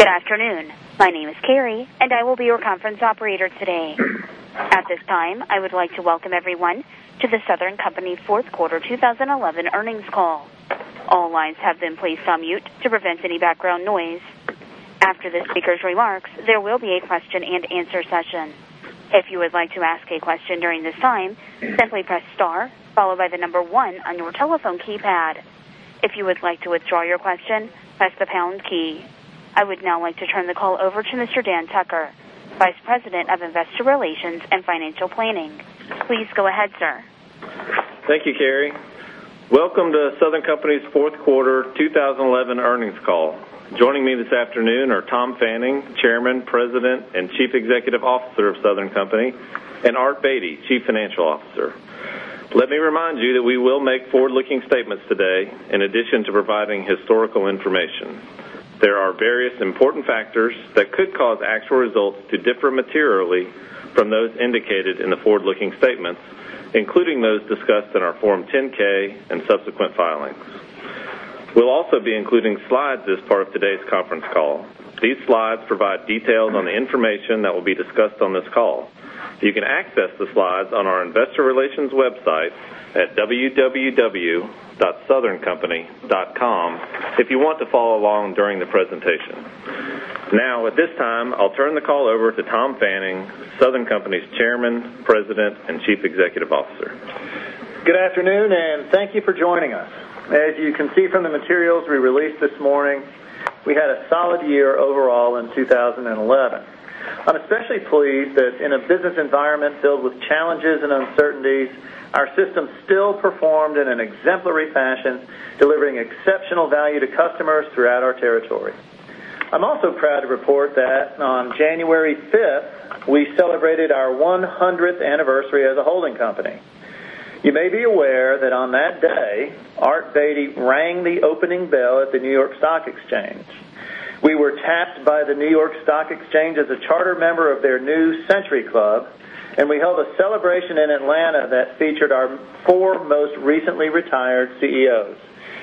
Good afternoon. My name is Carrie, and I will be your conference operator today. At this time, I would like to welcome everyone to The Southern Company Fourth Quarter 2011 Earnings Call. All lines have been placed on mute to prevent any background noise. After the speaker's remarks, there will be a question and answer session. If you would like to ask a question during this time, simply press star followed by the number one on your telephone keypad. If you would like to withdraw your question, press the pound key. I would now like to turn the call over to Mr. Dan Tucker, Vice President of Investor Relations and Financial Planning. Please go ahead, sir. Thank you, Carrie. Welcome to The Southern Company's Fourth Quarter 2011 Earnings Call. Joining me this afternoon are Tom Fanning, Chairman, President, and Chief Executive Officer of The Southern Company, and Art Beattie, Chief Financial Officer. Let me remind you that we will make forward-looking statements today in addition to providing historical information. There are various important factors that could cause actual results to differ materially from those indicated in the forward-looking statements, including those discussed in our Form 10-K and subsequent filings. We'll also be including slides as part of today's conference call. These slides provide details on the information that will be discussed on this call. You can access the slides on our Investor Relations website at www.southerncompany.com if you want to follow along during the presentation. Now, at this time, I'll turn the call over to Tom Fanning, The Southern Company's Chairman, President, and Chief Executive Officer. Good afternoon, and thank you for joining us. As you can see from the materials we released this morning, we had a solid year overall in 2011. I'm especially pleased that in a business environment filled with challenges and uncertainties, our system still performed in an exemplary fashion, delivering exceptional value to customers throughout our territory. I'm also proud to report that on January 5, we celebrated our 100th anniversary as a holding company. You may be aware that on that day, Art Beattie rang the opening bell at the New York Stock Exchange. We were tapped by the New York Stock Exchange as a charter member of their new Century Club, and we held a celebration in Atlanta that featured our four most recently retired CEOs,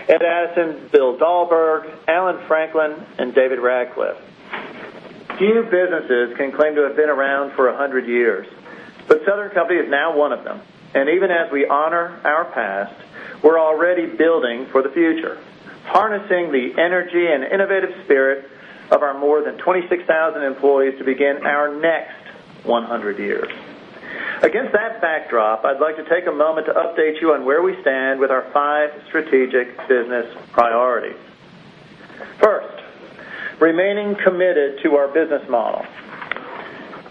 as in Bill Dahlberg, Alan Franklin, and David Ratcliffe. Few businesses can claim to have been around for 100 years, but Southern Company is now one of them. Even as we honor our past, we're already building for the future, harnessing the energy and innovative spirit of our more than 26,000 employees to begin our next 100 years. Against that backdrop, I'd like to take a moment to update you on where we stand with our five strategic business priorities. First, remaining committed to our business model.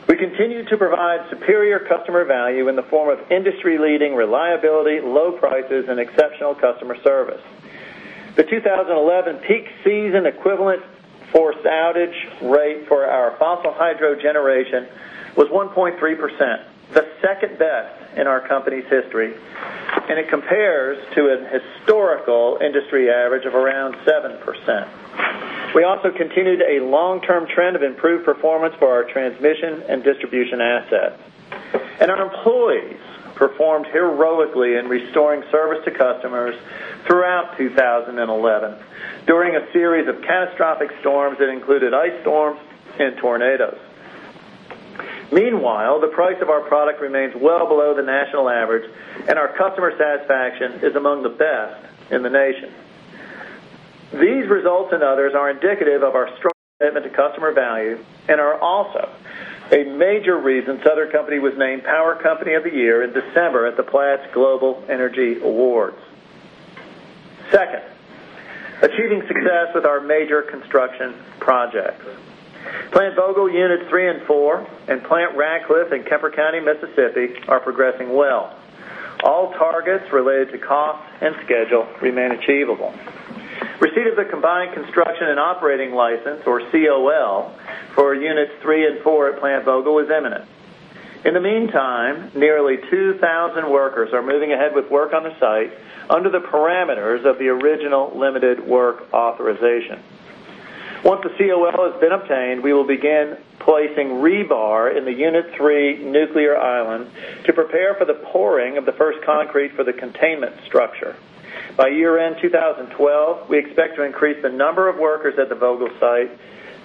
We continue to provide superior customer value in the form of industry-leading reliability, low prices, and exceptional customer service. The 2011 peak season equivalent forced outage rate for our baseload generation was 1.3%, the second best in our company's history, and it compares to a historical industry average of around 7%. We also continued a long-term trend of improved performance for our transmission and distribution assets. Our employees performed heroically in restoring service to customers throughout 2011, during a series of catastrophic storms that included ice storms and tornadoes. Meanwhile, the price of our product remains well below the national average, and our customer satisfaction is among the best in the nation. These results and others are indicative of our strong commitment to customer value and are also a major reason Southern Company was named Power Company of the Year in December at the Platts Global Energy Awards. Second, achieving success with our major construction projects. Plant Vogtle Units 3 and 4 and Plant Ratcliffe in Kemper County, Mississippi, are progressing well. All targets related to cost and schedule remain achievable. Receipt of the combined construction and operating license, or COL, for Units 3 and 4 at Plant Vogtle is imminent. In the meantime, nearly 2,000 workers are moving ahead with work on the site under the parameters of the original limited work authorization. Once the COL has been obtained, we will begin placing rebar in the Unit 3 nuclear island to prepare for the pouring of the first concrete for the containment structure. By year-end 2012, we expect to increase the number of workers at the Vogtle site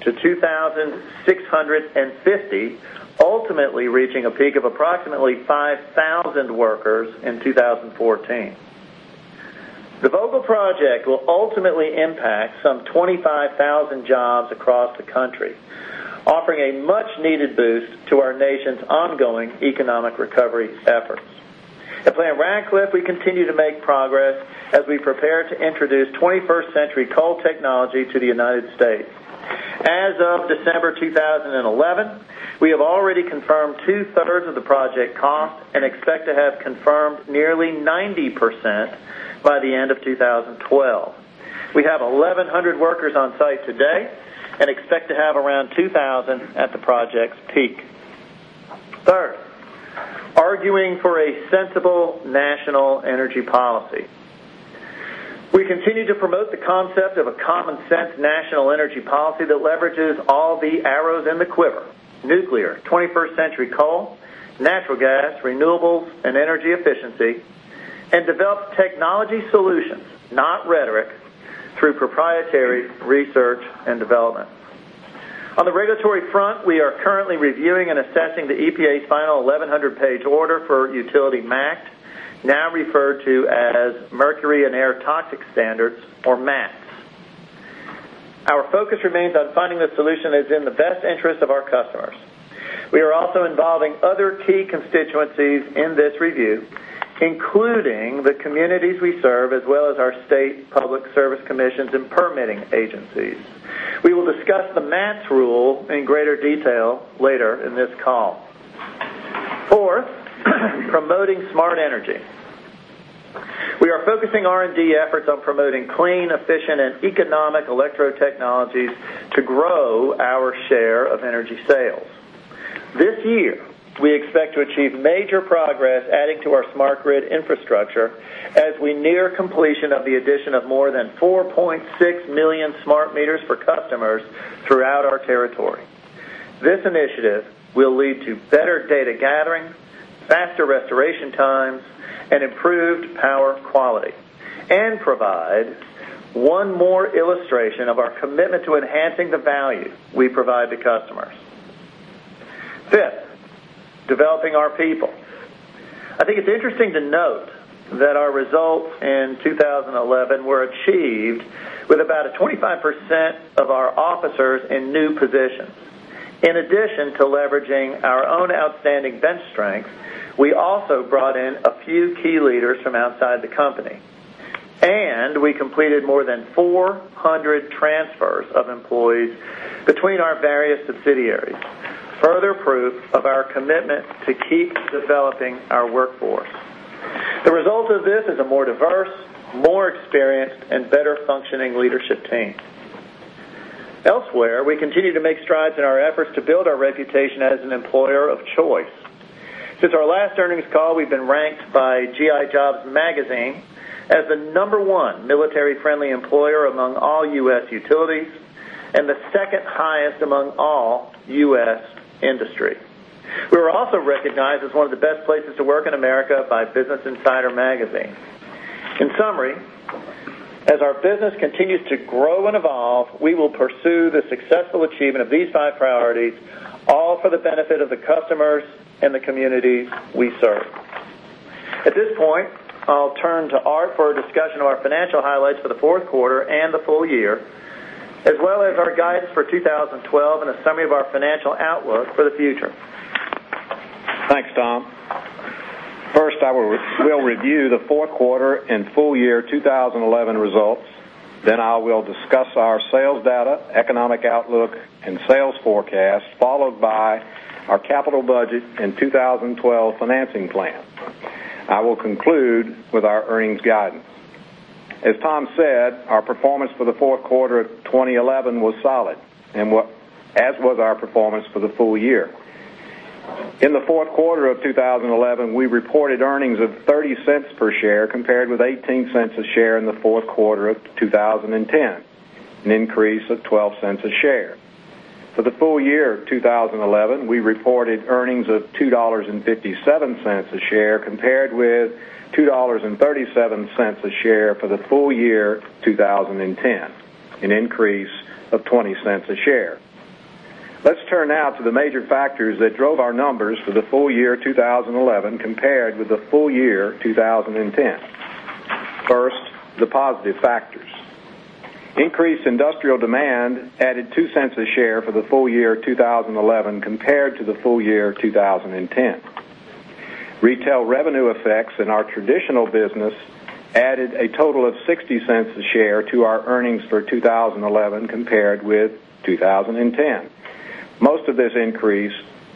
to 2,650, ultimately reaching a peak of approximately 5,000 workers in 2014. The Vogtle project will ultimately impact some 25,000 jobs across the country, offering a much-needed boost to our nation's ongoing economic recovery efforts. At Plant Ratcliffe, we continue to make progress as we prepare to introduce 21st-century coal technology to the United States. As of December 2011, we have already confirmed 2/3 of the project cost and expect to have confirmed nearly 90% by the end of 2012. We have 1,100 workers on site today and expect to have around 2,000 at the project's peak. Third, arguing for a sensible national energy policy. We continue to promote the concept of a common sense national energy policy that leverages all the arrows in the quiver: nuclear, 21st-century coal, natural gas, renewables, and energy efficiency, and develop technology solutions, not rhetoric, through proprietary research and development. On the regulatory front, we are currently reviewing and assessing the EPA's final 1,100-page order for utility MACT, now referred to as Mercury and Air Toxics Standards, or MATS. Our focus remains on finding the solution that is in the best interest of our customers. We are also involving other key constituencies in this review, including the communities we serve, as well as our state public service commissions and permitting agencies. We will discuss the MATS rule in greater detail later in this call. Fourth, promoting smart energy. We are focusing R&D efforts on promoting clean, efficient, and economic electro-technologies to grow our share of energy sales. This year, we expect to achieve major progress adding to our smart grid infrastructure as we near completion of the addition of more than 4.6 million smart meters for customers throughout our territory. This initiative will lead to better data gathering, faster restoration times, and improved power quality, and provides one more illustration of our commitment to enhancing the value we provide to customers. Fifth, developing our people. I think it's interesting to note that our results in 2011 were achieved with about 25% of our officers in new positions. In addition to leveraging our own outstanding bench strengths, we also brought in a few key leaders from outside the company, and we completed more than 400 transfers of employees between our various subsidiaries, further proof of our commitment to keep developing our workforce. The result of this is a more diverse, more experienced, and better functioning leadership team. Elsewhere, we continue to make strides in our efforts to build our reputation as an employer of choice. Since our last earnings call, we've been ranked by GI Jobs Magazine as the number one military-friendly employer among all U.S. utilities and the second highest among all U.S. industry. We were also recognized as one of the best places to work in America by Business Insider Magazine. In summary, as our business continues to grow and evolve, we will pursue the successful achievement of these five priorities, all for the benefit of the customers and the communities we serve. At this point, I'll turn to Art for a discussion of our financial highlights for the fourth quarter and the full year, as well as our guidance for 2012 and a summary of our financial outlook for the future. Thanks, Tom. First, I will review the fourth quarter and full year 2011 results. Then I will discuss our sales data, economic outlook, and sales forecast, followed by our capital budget and 2012 financing plan. I will conclude with our earnings guidance. As Tom said, our performance for the fourth quarter of 2011 was solid, as was our performance for the full year. In the fourth quarter of 2011, we reported earnings of $0.30 per share, compared with $0.18 a share in the fourth quarter of 2010, an increase of $0.12 a share. For the full year of 2011, we reported earnings of $2.57 a share, compared with $2.37 a share for the full year of 2010, an increase of $0.20 a share. Let's turn now to the major factors that drove our numbers for the full year 2011 compared with the full year 2010. First, the positive factors. Increased industrial demand added $0.02 a share for the full year 2011 compared to the full year 2010. Retail revenue effects in our traditional business added a total of $0.60 a share to our earnings for 2011 compared with 2010. Most of this increase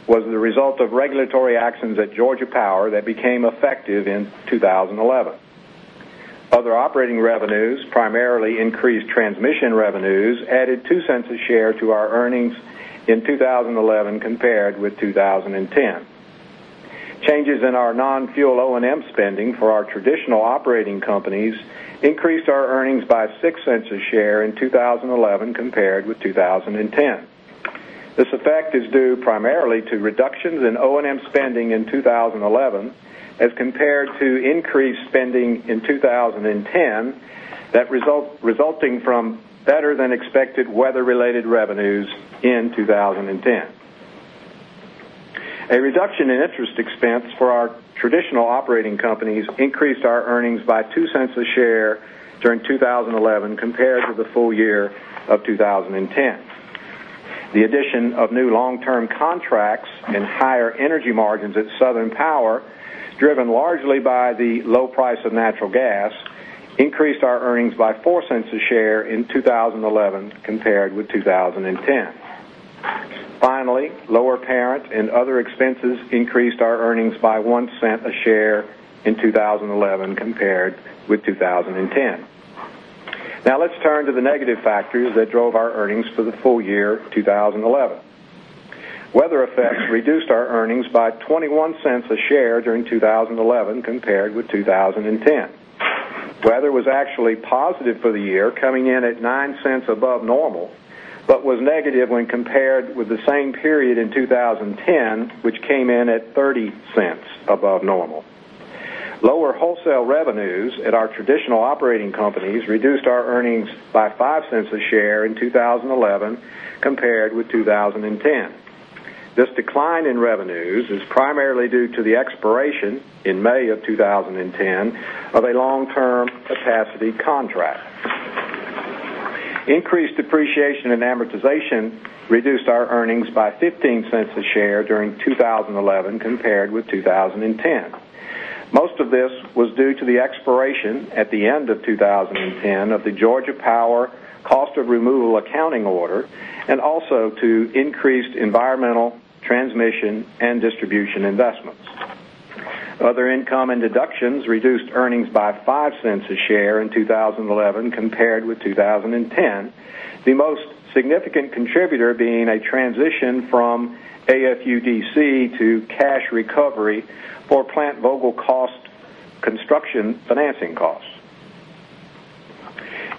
was the result of regulatory actions at Georgia Power that became effective in 2011. Other operating revenues, primarily increased transmission revenues, added $0.02 a share to our earnings in 2011 compared with 2010. Changes in our non-fuel O&M spending for our traditional operating companies increased our earnings by $0.06 a share in 2011 compared with 2010. This effect is due primarily to reductions in O&M spending in 2011 as compared to increased spending in 2010 that resulted in better than expected weather-related revenues in 2010. A reduction in interest expense for our traditional operating companies increased our earnings by $0.02 a share during 2011 compared with the full year of 2010. The addition of new long-term contracts and higher energy margins at Southern Power, driven largely by the low price of natural gas, increased our earnings by $0.04 a share in 2011 compared with 2010. Finally, lower parent and other expenses increased our earnings by $0.01 a share in 2011 compared with 2010. Now let's turn to the negative factors that drove our earnings for the full year 2011. Weather effects reduced our earnings by $0.21 a share during 2011 compared with 2010. Weather was actually positive for the year, coming in at $0.09 above normal, but was negative when compared with the same period in 2010, which came in at $0.30 above normal. Lower wholesale revenues at our traditional operating companies reduced our earnings by $0.05 a share in 2011 compared with 2010. This decline in revenues is primarily due to the expiration in May of 2010 of a long-term capacity contract. Increased depreciation and amortization reduced our earnings by $0.15 a share during 2011 compared with 2010. Most of this was due to the expiration at the end of 2010 of the Georgia Power cost of removal accounting order and also to increased environmental, transmission, and distribution investments. Other income and deductions reduced earnings by $0.05 a share in 2011 compared with 2010, the most significant contributor being a transition from AFUDC to cash recovery for Plant Vogtle construction financing costs.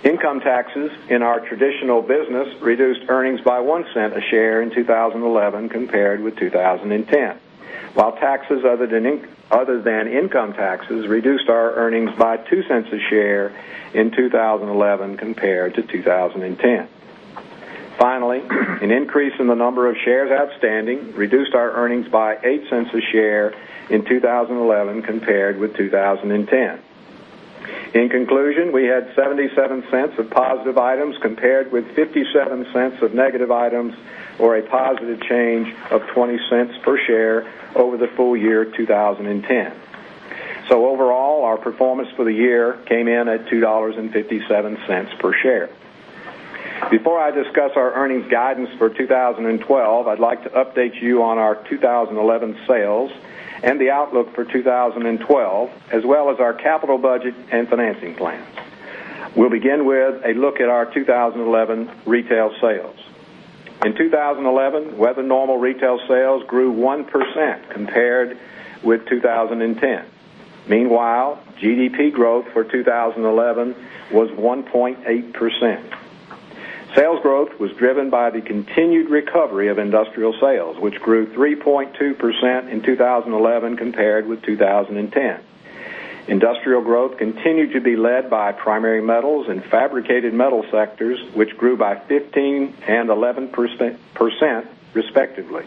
Income taxes in our traditional business reduced earnings by $0.01 a share in 2011 compared with 2010, while taxes other than income taxes reduced our earnings by $0.02 a share in 2011 compared to 2010. Finally, an increase in the number of shares outstanding reduced our earnings by $0.08 a share in 2011 compared with 2010. In conclusion, we had $0.77 of positive items compared with $0.57 of negative items, or a positive change of $0.20 per share over the full year 2010. Overall, our performance for the year came in at $2.57 per share. Before I discuss our earnings guidance for 2012, I'd like to update you on our 2011 sales and the outlook for 2012, as well as our capital budget and financing plans. We'll begin with a look at our 2011 retail sales. In 2011, weather-normal retail sales grew 1% compared with 2010. Meanwhile, GDP growth for 2011 was 1.8%. Sales growth was driven by the continued recovery of industrial sales, which grew 3.2% in 2011 compared with 2010. Industrial growth continued to be led by primary metals and fabricated metal sectors, which grew by 15% and 11% respectively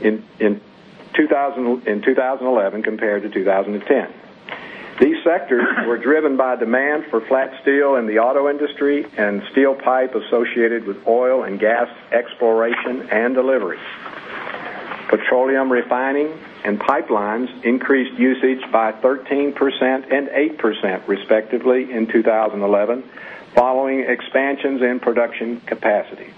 in 2011 compared to 2010. These sectors were driven by demand for flat steel in the auto industry and steel pipe associated with oil and gas exploration and delivery. Petroleum refining and pipelines increased usage by 13% and 8% respectively in 2011, following expansions in production capacity.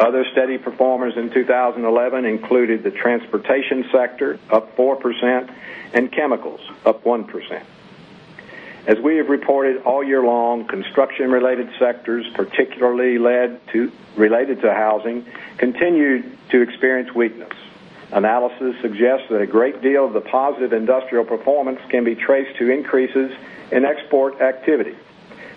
Other steady performers in 2011 included the transportation sector, up 4%, and chemicals, up 1%. As we have reported all year long, construction-related sectors, particularly related to housing, continue to experience weakness. Analysis suggests that a great deal of the positive industrial performance can be traced to increases in export activity.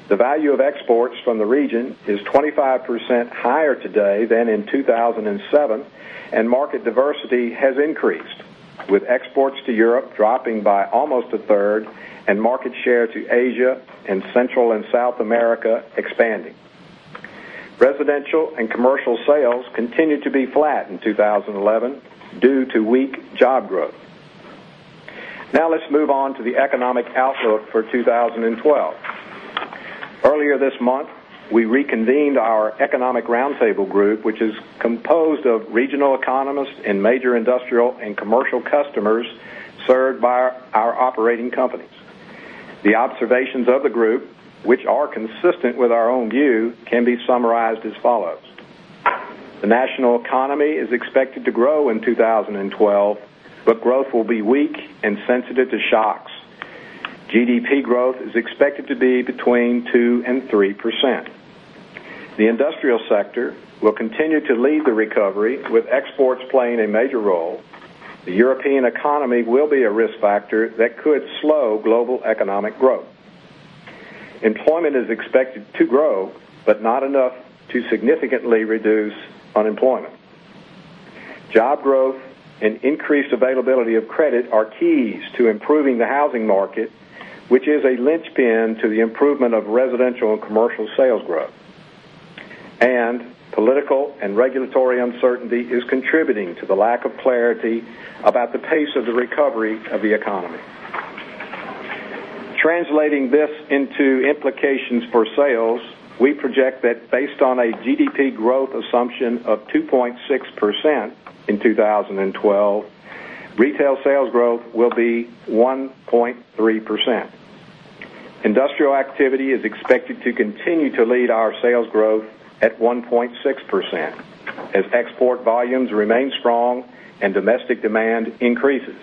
The value of exports from the region is 25% higher today than in 2007, and market diversity has increased, with exports to Europe dropping by almost 1/3 and market share to Asia and Central and South America expanding. Residential and commercial sales continued to be flat in 2011 due to weak job growth. Now let's move on to the economic outlook for 2012. Earlier this month, we reconvened our economic roundtable group, which is composed of regional economists and major industrial and commercial customers served by our operating companies. The observations of the group, which are consistent with our own view, can be summarized as follows. The national economy is expected to grow in 2012, but growth will be weak and sensitive to shocks. GDP growth is expected to be between 2% and 3%. The industrial sector will continue to lead the recovery, with exports playing a major role. The European economy will be a risk factor that could slow global economic growth. Employment is expected to grow, but not enough to significantly reduce unemployment. Job growth and increased availability of credit are keys to improving the housing market, which is a linchpin to the improvement of residential and commercial sales growth. Political and regulatory uncertainty is contributing to the lack of clarity about the pace of the recovery of the economy. Translating this into implications for sales, we project that based on a GDP growth assumption of 2.6% in 2012, retail sales growth will be 1.3%. Industrial activity is expected to continue to lead our sales growth at 1.6%, as export volumes remain strong and domestic demand increases.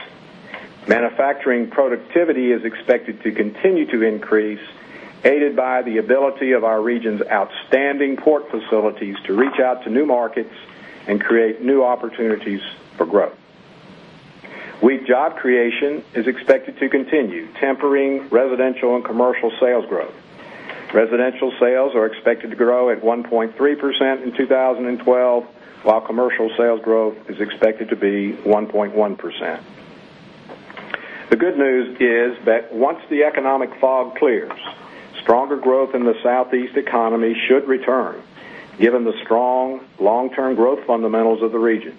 Manufacturing productivity is expected to continue to increase, aided by the ability of our region's outstanding port facilities to reach out to new markets and create new opportunities for growth. Weak job creation is expected to continue, tempering residential and commercial sales growth. Residential sales are expected to grow at 1.3% in 2012, while commercial sales growth is expected to be 1.1%. The good news is that once the economic fog clears, stronger growth in the Southeast economy should return, given the strong long-term growth fundamentals of the region.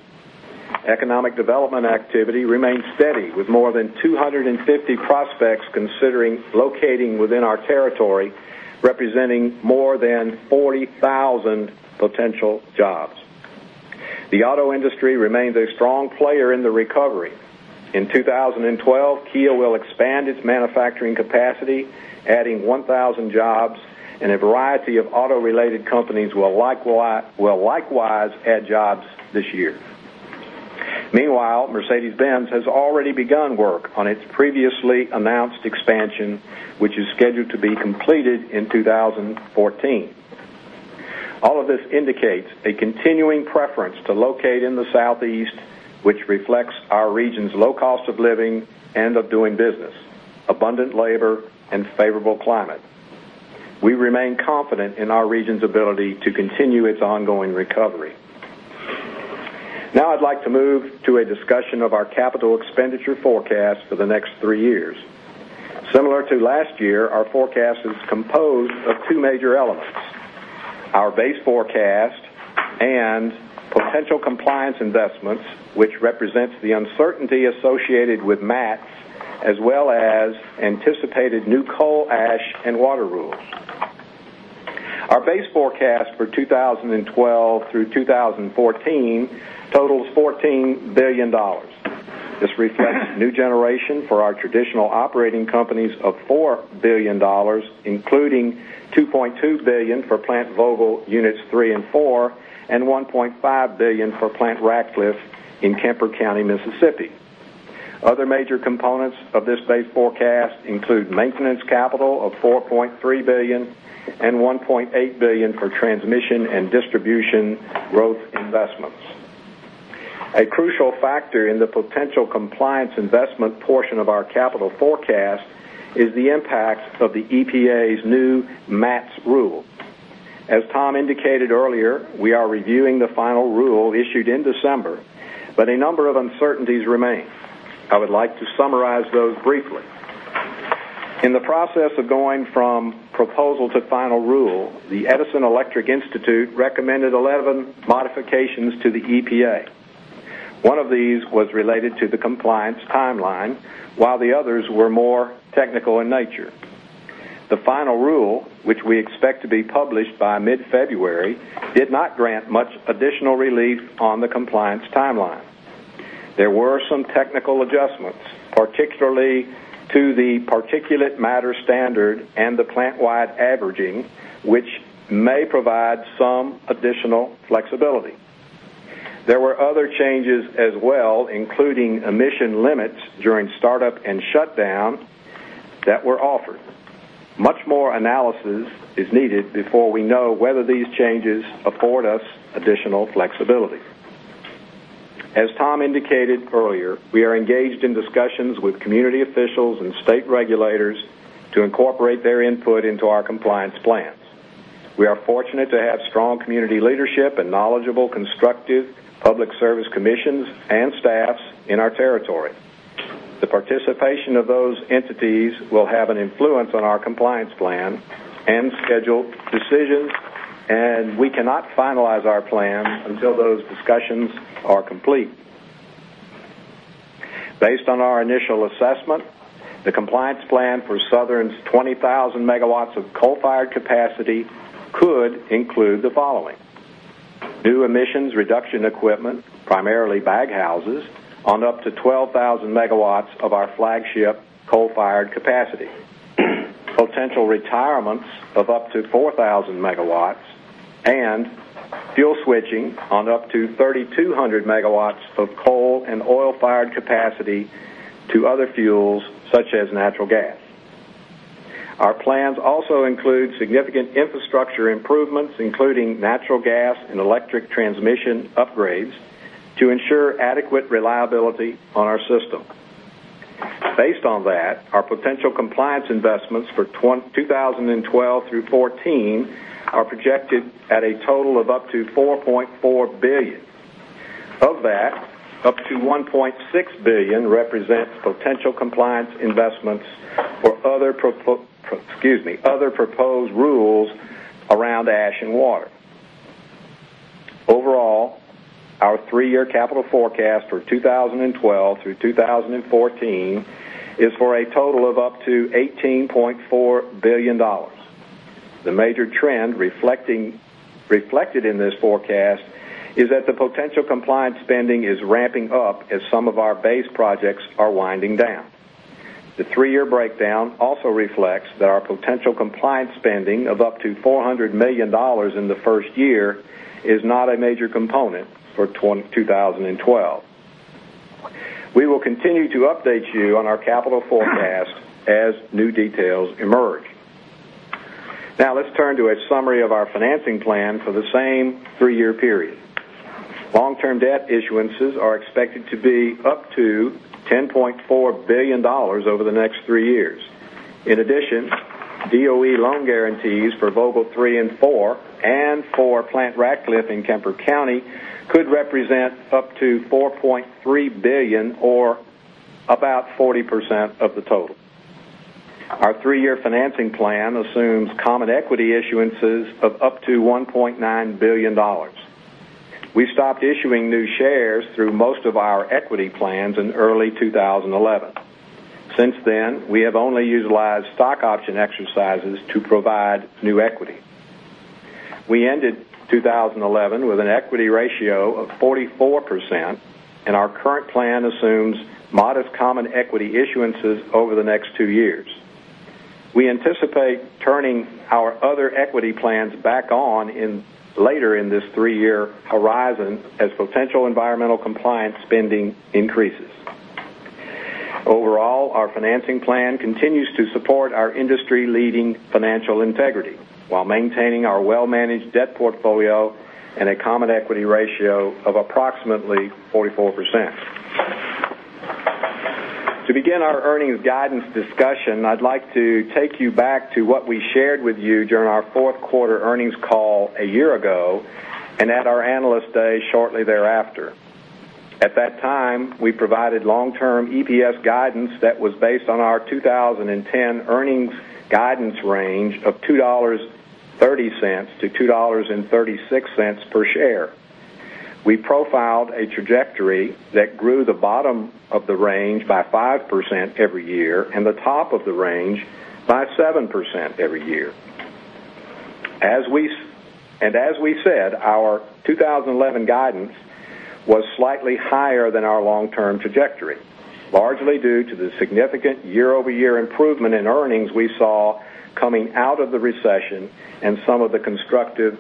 Economic development activity remains steady, with more than 250 prospects considering locating within our territory, representing more than 40,000 potential jobs. The auto industry remains a strong player in the recovery. In 2012, Kia will expand its manufacturing capacity, adding 1,000 jobs, and a variety of auto-related companies will likewise add jobs this year. Meanwhile, Mercedes-Benz has already begun work on its previously announced expansion, which is scheduled to be completed in 2014. All of this indicates a continuing preference to locate in the Southeast, which reflects our region's low cost of living and of doing business, abundant labor, and favorable climate. We remain confident in our region's ability to continue its ongoing recovery. Now I'd like to move to a discussion of our capital expenditure forecast for the next three years. Similar to last year, our forecast is composed of two major elements: our base forecast and potential compliance investments, which represent the uncertainty associated with MATS, as well as anticipated new coal, ash, and water rules. Our base forecast for 2012 through 2014 totals $14 billion. This reflects new generation for our traditional operating companies of $4 billion, including $2.2 billion for Plant Vogtle Units 3 and 4 and $1.5 billion for Plant Ratcliffe in Kemper County, Mississippi. Other major components of this base forecast include maintenance capital of $4.3 billion and $1.8 billion for transmission and distribution growth investments. A crucial factor in the potential compliance investment portion of our capital forecast is the impacts of the EPA's new MATS rule. As Tom Fanning indicated earlier, we are reviewing the final rule issued in December, but a number of uncertainties remain. I would like to summarize those briefly. In the process of going from proposal to final rule, the Edison Electric Institute recommended 11 modifications to the EPA. One of these was related to the compliance timeline, while the others were more technical in nature. The final rule, which we expect to be published by mid-February, did not grant much additional relief on the compliance timeline. There were some technical adjustments, particularly to the particulate matter standard and the plant-wide averaging, which may provide some additional flexibility. There were other changes as well, including emission limits during startup and shutdown that were offered. Much more analysis is needed before we know whether these changes afford us additional flexibility. As Tom indicated earlier, we are engaged in discussions with community officials and state regulators to incorporate their input into our compliance plans. We are fortunate to have strong community leadership and knowledgeable, constructive public service commissions and staffs in our territory. The participation of those entities will have an influence on our compliance plan and schedule decisions, and we cannot finalize our plan until those discussions are complete. Based on our initial assessment, the compliance plan for Southern Company's 20,000 MW of coal-fired capacity could include the following: new emissions reduction equipment, primarily baghouses, on up to 12,000 MW of our flagship coal-fired capacity, potential retirements of up to 4,000 MW, and fuel switching on up to 3,200 MW of coal and oil-fired capacity to other fuels, such as natural gas. Our plans also include significant infrastructure improvements, including natural gas and electric transmission upgrades to ensure adequate reliability on our system. Based on that, our potential compliance investments for 2012 through 2014 are projected at a total of up to $4.4 billion. Of that, up to $1.6 billion represents potential compliance investments for other proposed rules around ash and water. Overall, our three-year capital forecast for 2012 through 2014 is for a total of up to $18.4 billion. The major trend reflected in this forecast is that the potential compliance spending is ramping up as some of our base projects are winding down. The three-year breakdown also reflects that our potential compliance spending of up to $400 million in the first year is not a major component for 2012. We will continue to update you on our capital forecast as new details emerge. Now let's turn to a summary of our financing plan for the same three-year period. Long-term debt issuances are expected to be up to $10.4 billion over the next three years. In addition, DOE loan guarantees for Plant Vogtle Units 3 and 4 and for Plant Ratcliffe in Kemper County, Mississippi could represent up to $4.3 billion, or about 40% of the total. Our three-year financing plan assumes common equity issuances of up to $1.9 billion. We stopped issuing new shares through most of our equity plans in early 2011. Since then, we have only utilized stock option exercises to provide new equity. We ended 2011 with an equity ratio of 44%, and our current plan assumes modest common equity issuances over the next two years. We anticipate turning our other equity plans back on later in this three-year horizon as potential environmental compliance spending increases. Overall, our financing plan continues to support our industry-leading financial integrity while maintaining our well-managed debt portfolio and a common equity ratio of approximately 44%. To begin our earnings guidance discussion, I'd like to take you back to what we shared with you during our Fourth Quarter Earnings Call a year ago and at our Analyst Day shortly thereafter. At that time, we provided long-term EPS guidance that was based on our 2010 earnings guidance range of $2.30-$2.36 per share. We profiled a trajectory that grew the bottom of the range by 5% every year and the top of the range by 7% every year. As we said, our 2011 guidance was slightly higher than our long-term trajectory, largely due to the significant year-over-year improvement in earnings we saw coming out of the recession and some of the constructive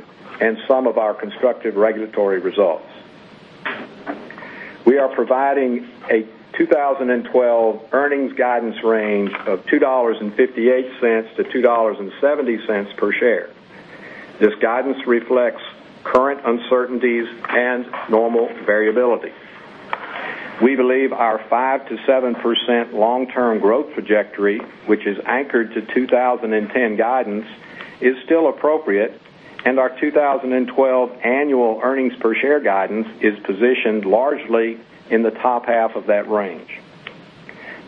regulatory results. We are providing a 2012 earnings guidance range of $2.58-$2.70 per share. This guidance reflects current uncertainties and normal variability. We believe our 5%-7% long-term growth trajectory, which is anchored to 2010 guidance, is still appropriate, and our 2012 annual earnings per share guidance is positioned largely in the top half of that range.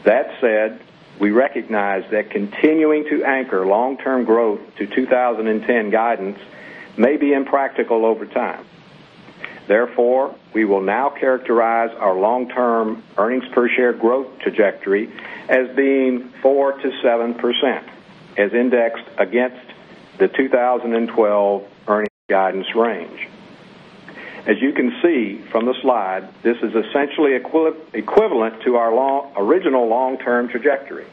That said, we recognize that continuing to anchor long-term growth to 2010 guidance may be impractical over time. Therefore, we will now characterize our long-term earnings per share growth trajectory as being 4%-7%, as indexed against the 2012 earnings guidance range. As you can see from the slide, this is essentially equivalent to our original long-term trajectory.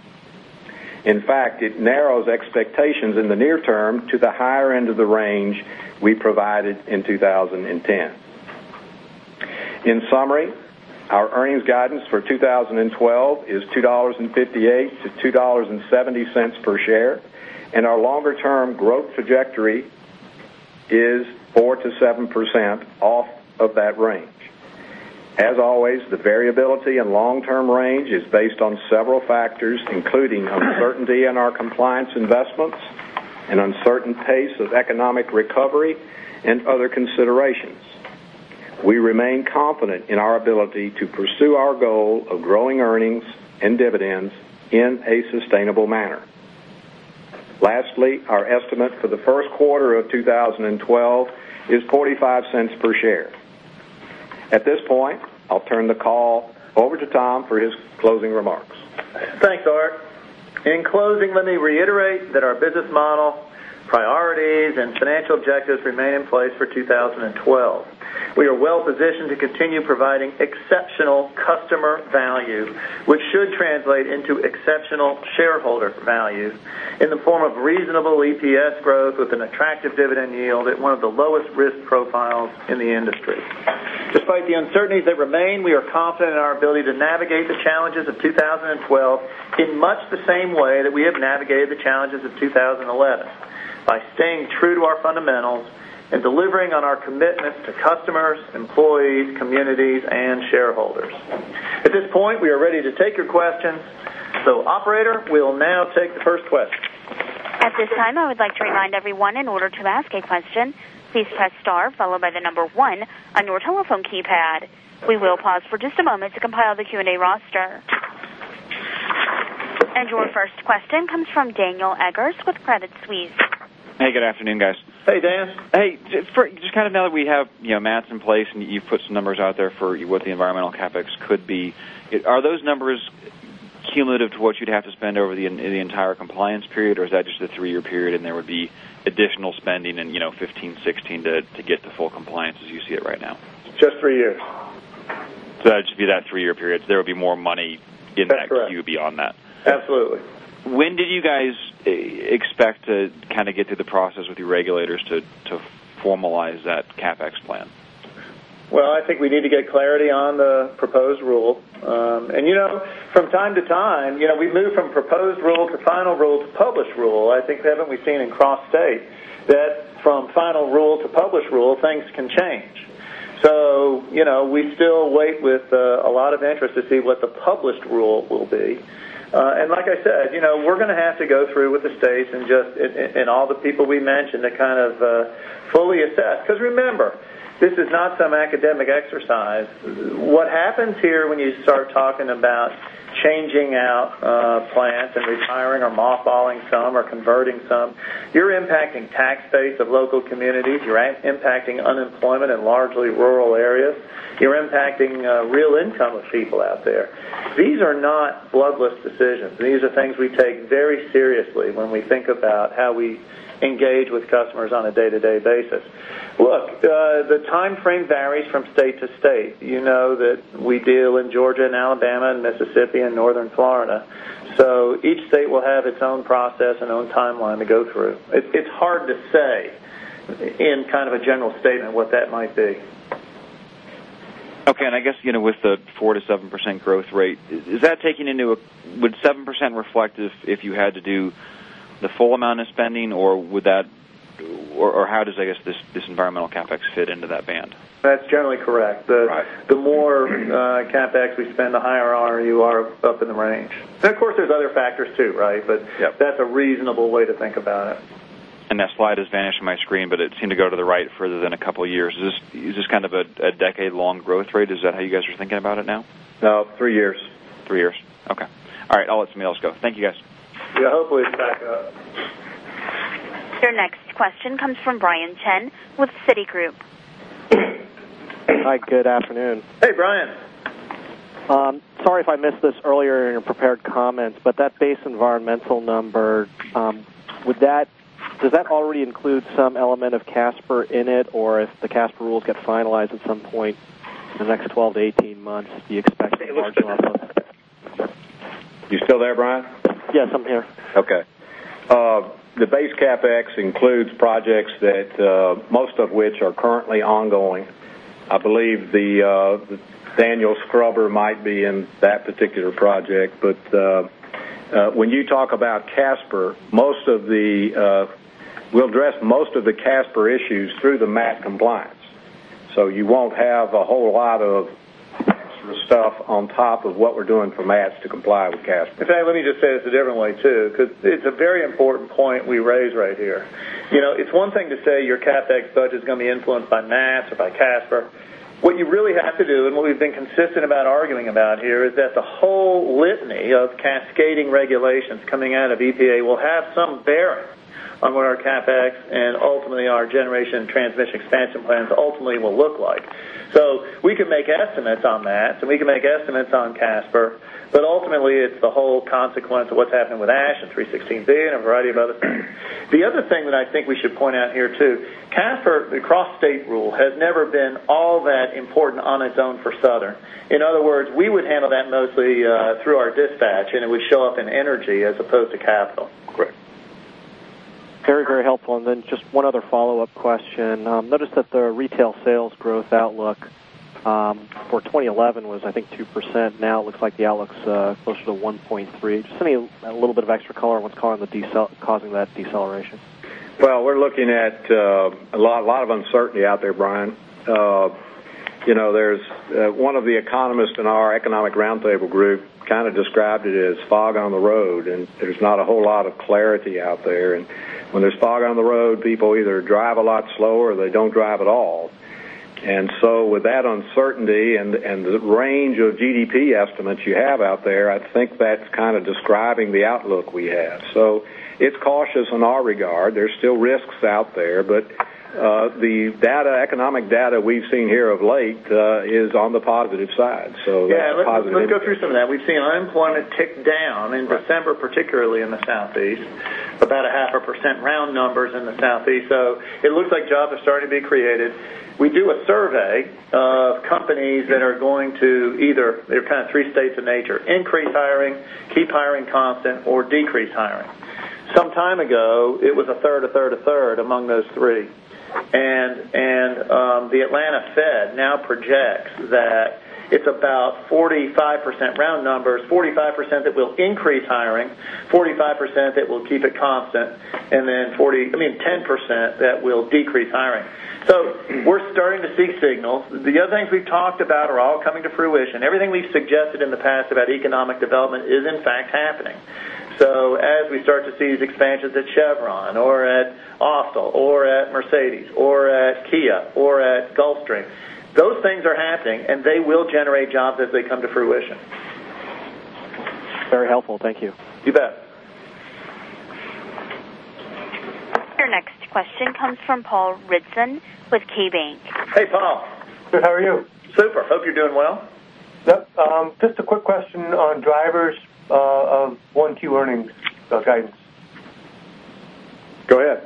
In fact, it narrows expectations in the near term to the higher end of the range we provided in 2010. In summary, our earnings guidance for 2012 is $2.58-$2.70 per share, and our longer-term growth trajectory is 4%-7% off of that range. As always, the variability in long-term range is based on several factors, including uncertainty in our compliance investments, an uncertain pace of economic recovery, and other considerations. We remain confident in our ability to pursue our goal of growing earnings and dividends in a sustainable manner. Lastly, our estimate for the first quarter of 2012 is $0.45 per share. At this point, I'll turn the call over to Tom for his closing remarks. Thanks, Art. In closing, let me reiterate that our business model, priorities, and financial objectives remain in place for 2012. We are well-positioned to continue providing exceptional customer value, which should translate into exceptional shareholder value in the form of reasonable EPS growth with an attractive dividend yield at one of the lowest risk profiles in the industry. Despite the uncertainties that remain, we are confident in our ability to navigate the challenges of 2012 in much the same way that we have navigated the challenges of 2011, by staying true to our fundamentals and delivering on our commitments to customers, employees, communities, and shareholders. At this point, we are ready to take your questions. Operator, we will now take the first question. At this time, I would like to remind everyone, in order to ask a question, please press star followed by the number one on your telephone keypad. We will pause for just a moment to compile the Q&A roster. Your first question comes from Daniel Eggers with Credit Suisse. Hey, good afternoon, guys. Hey, Dan. Hey, just kind of now that we have MATS in place and you've put some numbers out there for what the environmental CapEx could be, are those numbers cumulative to what you'd have to spend over the entire compliance period, or is that just a three-year period and there would be additional spending in 2015, 2016 to get the full compliance as you see it right now? It's just three years. That would just be that three-year period. There would be more money in that queue beyond that. That's correct. Absolutely. When did you guys expect to kind of get through the process with your regulators to formalize that CapEx plan? I think we need to get clarity on the proposed rule. You know, from time to time, we move from proposed rule to final rule to published rule. Haven't we seen in cross-state that from final rule to published rule, things can change? We still wait with a lot of interest to see what the published rule will be. Like I said, we're going to have to go through with the states and all the people we mentioned to kind of fully assess. Remember, this is not some academic exercise. What happens here when you start talking about changing out plants and retiring or mothballing some or converting some, you're impacting tax base of local communities. You're impacting unemployment in largely rural areas. You're impacting real income of people out there. These are not bloodless decisions. These are things we take very seriously when we think about how we engage with customers on a day-to-day basis. Look, the timeframe varies from state to state. You know that we deal in Georgia and Alabama and Mississippi and Northern Florida. Each state will have its own process and own timeline to go through. It's hard to say in kind of a general statement what that might be. Okay. With the 4%-7% growth rate, is that taking into account—would 7% reflect if you had to do the full amount of spending, or how does this environmental CapEx fit into that band? That's generally correct. The more CapEx we spend, the higher you are up in the range. Of course, there's other factors too, right? That's a reasonable way to think about it. That slide has vanished from my screen, but it seemed to go to the right further than a couple of years. Is this kind of a decade-long growth rate? Is that how you guys are thinking about it now? No, three years. Three years. Okay. All right. I'll let somebody else go. Thank you, guys. Yeah, hopefully it's back up. Your next question comes from Brian Chin with Citigroup. Hi, good afternoon. Hey, Brian. Sorry if I missed this earlier in your prepared comments, but that base environmental number, does that already include some element of CASPER in it, or if the CASPER rules get finalized at some point in the next 12-18 months, do you expect a large enough? Are you still there, Brian? Yes, I'm here. Okay. The base CapEx includes projects, most of which are currently ongoing. I believe the Daniel Scrubber might be in that particular project. When you talk about CASPER, most of the—we'll address most of the CASPER issues through the MATS compliance. You won't have a whole lot of stuff on top of what we're doing for MATS to comply with CASPER. In fact, let me just say this a different way too, because it's a very important point we raise right here. You know, it's one thing to say your CapEx budget is going to be influenced by MATS or by CASPR. What you really have to do, and what we've been consistent about arguing about here, is that the whole litany of cascading regulations coming out of EPA will have some bearing on what our CapEx and ultimately our generation transmission expansion plans ultimately will look like. We can make estimates on MATS and we can make estimates on CASPR, but ultimately, it's the whole consequence of what's happening with ash and 316B and a variety of other things. The other thing that I think we should point out here too, CASPR, the cross-state rule, has never been all that important on its own for Southern. In other words, we would handle that mostly through our dispatch, and it would show up in energy as opposed to capital. Great. Very, very helpful. Just one other follow-up question. Noticed that the retail sales growth outlook for 2011 was, I think, 2%. Now it looks like the outlook's closer to 1.3%. Just send me a little bit of extra color on what's causing that deceleration. We are looking at a lot of uncertainty out there, Brian. One of the economists in our economic roundtable group kind of described it as fog on the road, and there's not a whole lot of clarity out there. When there's fog on the road, people either drive a lot slower or they don't drive at all. With that uncertainty and the range of GDP estimates you have out there, I think that's kind of describing the outlook we have. It's cautious in our regard. There are still risks out there, but the economic data we've seen here of late is on the positive side. That's positive. Yeah, let's go through some of that. We've seen unemployment tick down in December, particularly in the Southeast, about a half a percent, round numbers, in the Southeast. It looks like jobs are starting to be created. We do a survey of companies that are going to either, they're kind of three states in nature: increase hiring, keep hiring constant, or decrease hiring. Some time ago, it was 1/3, 1/3, 1/3 among those three. The Atlanta Fed now projects that it's about 45%, round numbers, 45% that will increase hiring, 45% that will keep it constant, and then 10% that will decrease hiring. We're starting to see signals. The other things we've talked about are all coming to fruition. Everything we've suggested in the past about economic development is in fact happening. As we start to see these expansions at Chevron or at Austell or at Mercedes or at Kia or at Gulfstream, those things are happening, and they will generate jobs as they come to fruition. Very helpful. Thank you. You bet. Your next question comes from Paul Ridzon with KeyBank. Hey, Paul. Good. How are you? Super. Hope you're doing well. Yep. Just a quick question on drivers of 1Q earnings guidance. Go ahead.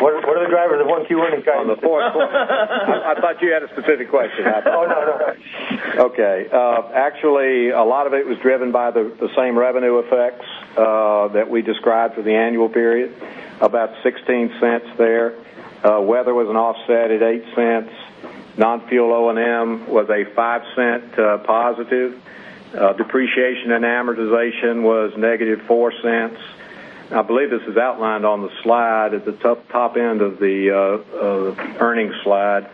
What are the drivers of one-Q earnings guidance? On the fourth question, I thought you had a specific question happening. No, no. Okay. Actually, a lot of it was driven by the same revenue effects that we described for the annual period, about $0.16 there. Weather was an offset at $0.08. Non-fuel O&M was a $0.05 positive. Depreciation and amortization was -$0.04. I believe this is outlined on the slide at the top end of the earnings slide.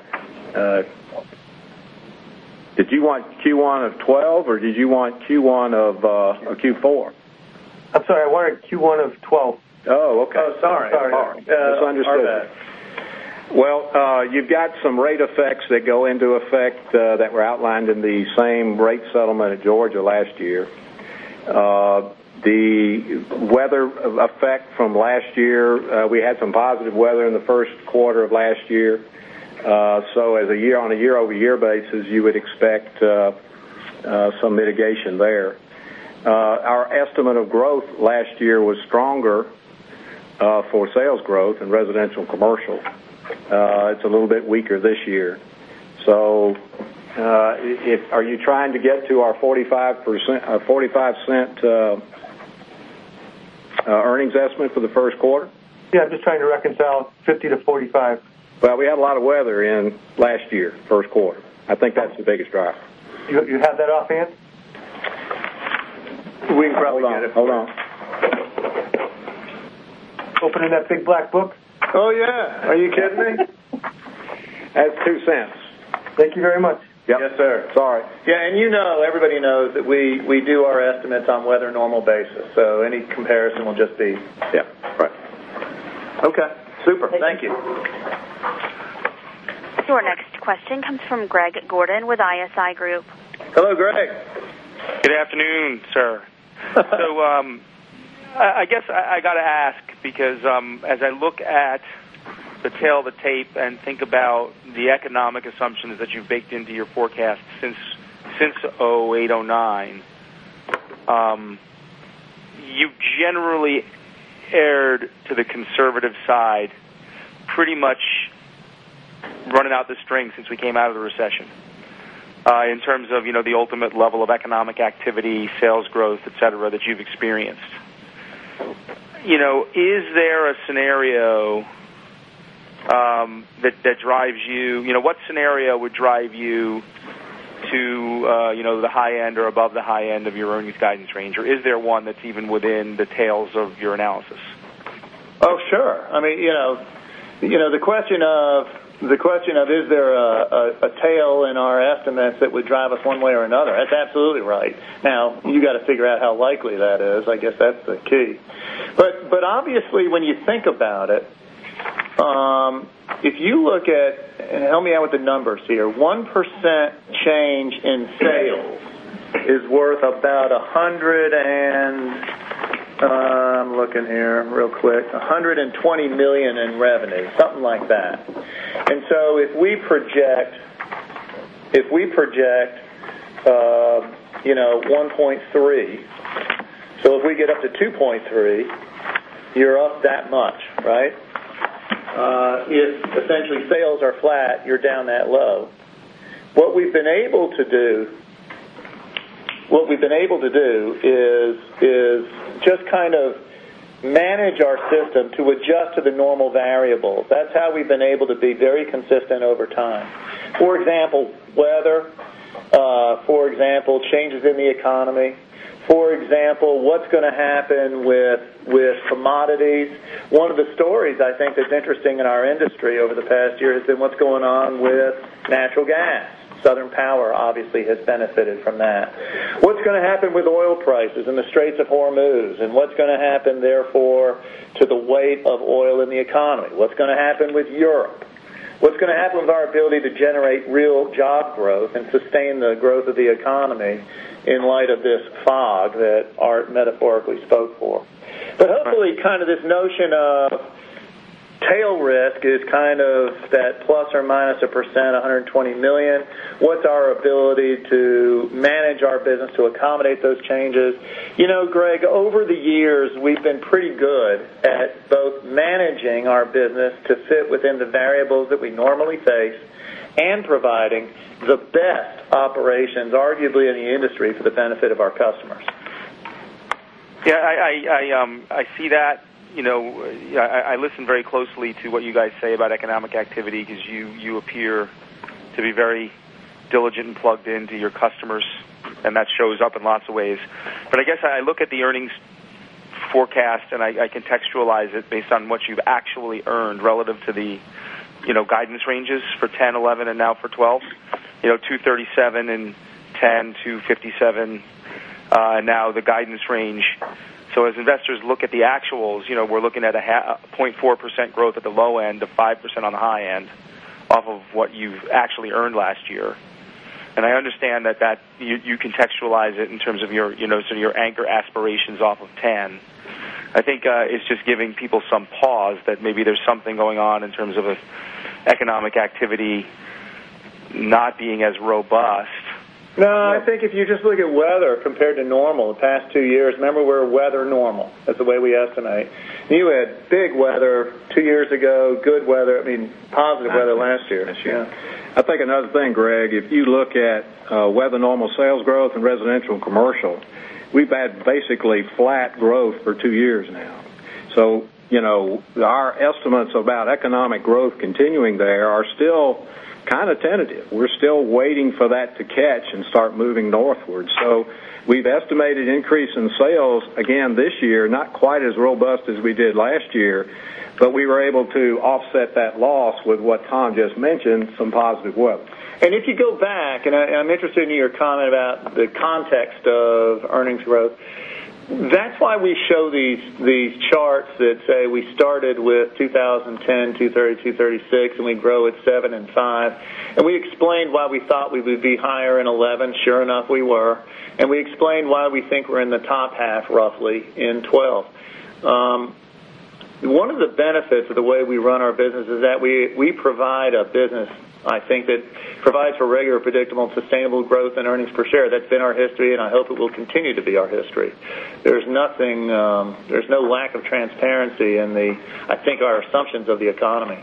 Did you want Q1 of 2012 or did you want Q1 of Q4? I'm sorry, I wanted Q1 of 2012. Oh, okay. Oh, sorry. Sorry. Oh, sorry. Misunderstood. Sorry about that. You have some rate effects that go into effect that were outlined in the same rate settlement at Georgia last year. The weather effect from last year, we had some positive weather in the first quarter of last year. As a year-over-year basis, you would expect some mitigation there. Our estimate of growth last year was stronger for sales growth in residential and commercial. It's a little bit weaker this year. Are you trying to get to our $0.45 earnings estimate for the first quarter? Yeah, I'm just trying to reconcile $50 to $45. We had a lot of weather in last year, first quarter. I think that's the biggest driver. You have that offhand? We can probably look at it. Hold on. Hold on. Opening that big black book. Oh, yeah. Are you kidding me? That's $0.02. Thank you very much. Yes, sir. Sorry. Yeah, you know, everybody knows that we do our estimates on a weather normal basis. Any comparison will just be set. Right. Okay. Super. Thank you. Your next question comes from Greg Gordon with ISI Group. Hello, Greg. Good afternoon, sir. I guess I got to ask because as I look at the tail of the tape and think about the economic assumptions that you've baked into your forecast since 2008, 2009, you generally erred to the conservative side, pretty much running out the strings since we came out of the recession in terms of the ultimate level of economic activity, sales growth, etc., that you've experienced. Is there a scenario that drives you? What scenario would drive you to the high end or above the high end of your earnings guidance range, or is there one that's even within the tails of your analysis? Oh, sure. I mean, you know, the question of, is there a tail in our estimates that would drive us one way or another? That's absolutely right. Now, you have to figure out how likely that is. I guess that's the key. Obviously, when you think about it, if you look at, and help me out with the numbers here, 1% change in sales is worth about $120 million in revenue, something like that. If we project, you know, 1.3%, so if we get up to 2.3%, you're up that much, right? Essentially, sales are flat. You're down that low. What we've been able to do is just kind of manage our system to adjust to the normal variables. That's how we've been able to be very consistent over time. For example, weather, changes in the economy, what's going to happen with commodities. One of the stories I think that's interesting in our industry over the past year has been what's going on with natural gas. Southern Power obviously has benefited from that. What's going to happen with oil prices in the Straits of Hormuz? What's going to happen, therefore, to the weight of oil in the economy? What's going to happen with Europe? What's going to happen with our ability to generate real job growth and sustain the growth of the economy in light of this fog that Art metaphorically spoke for? Hopefully, this notion of tail risk is kind of that ±1%, $120 million. What's our ability to manage our business to accommodate those changes? You know, Greg, over the years, we've been pretty good at both managing our business to fit within the variables that we normally face and providing the best operations, arguably in the industry, for the benefit of our customers. Yeah, I see that. I listen very closely to what you guys say about economic activity because you appear to be very diligent and plugged into your customers, and that shows up in lots of ways. I guess I look at the earnings forecast and I contextualize it based on what you've actually earned relative to the guidance ranges for 2010, 2011, and now for 2012. You know, $2.37 in 2010, $2.57 now the guidance range. As investors look at the actuals, we're looking at a 0.4% growth at the low end to 5% on the high end off of what you've actually earned last year. I understand that you contextualize it in terms of your, you know, sort of your anchor aspirations off of 2010. I think it's just giving people some pause that maybe there's something going on in terms of economic activity not being as robust. No, I think if you just look at weather compared to normal the past two years, remember we're weather normal. That's the way we asked tonight. You had big weather two years ago, good weather, I mean, positive weather last year. I think another thing, Greg, if you look at weather normal sales growth in residential and commercial, we've had basically flat growth for two years now. Our estimates about economic growth continuing there are still kind of tentative. We're still waiting for that to catch and start moving northward. We've estimated an increase in sales again this year, not quite as robust as we did last year, but we were able to offset that loss with what Tom just mentioned, some positive weather. If you go back, I'm interested in your comment about the context of earnings growth. That's why we show these charts that say we started with 2010, 230, 236, and we grow at 2007 and 2005. We explained why we thought we would be higher in 2011. Sure enough, we were. We explained why we think we're in the top half, roughly, in 2012. One of the benefits of the way we run our business is that we provide a business, I think, that provides for regular, predictable, and sustainable growth in earnings per share. That's been our history, and I hope it will continue to be our history. There's no lack of transparency in, I think, our assumptions of the economy.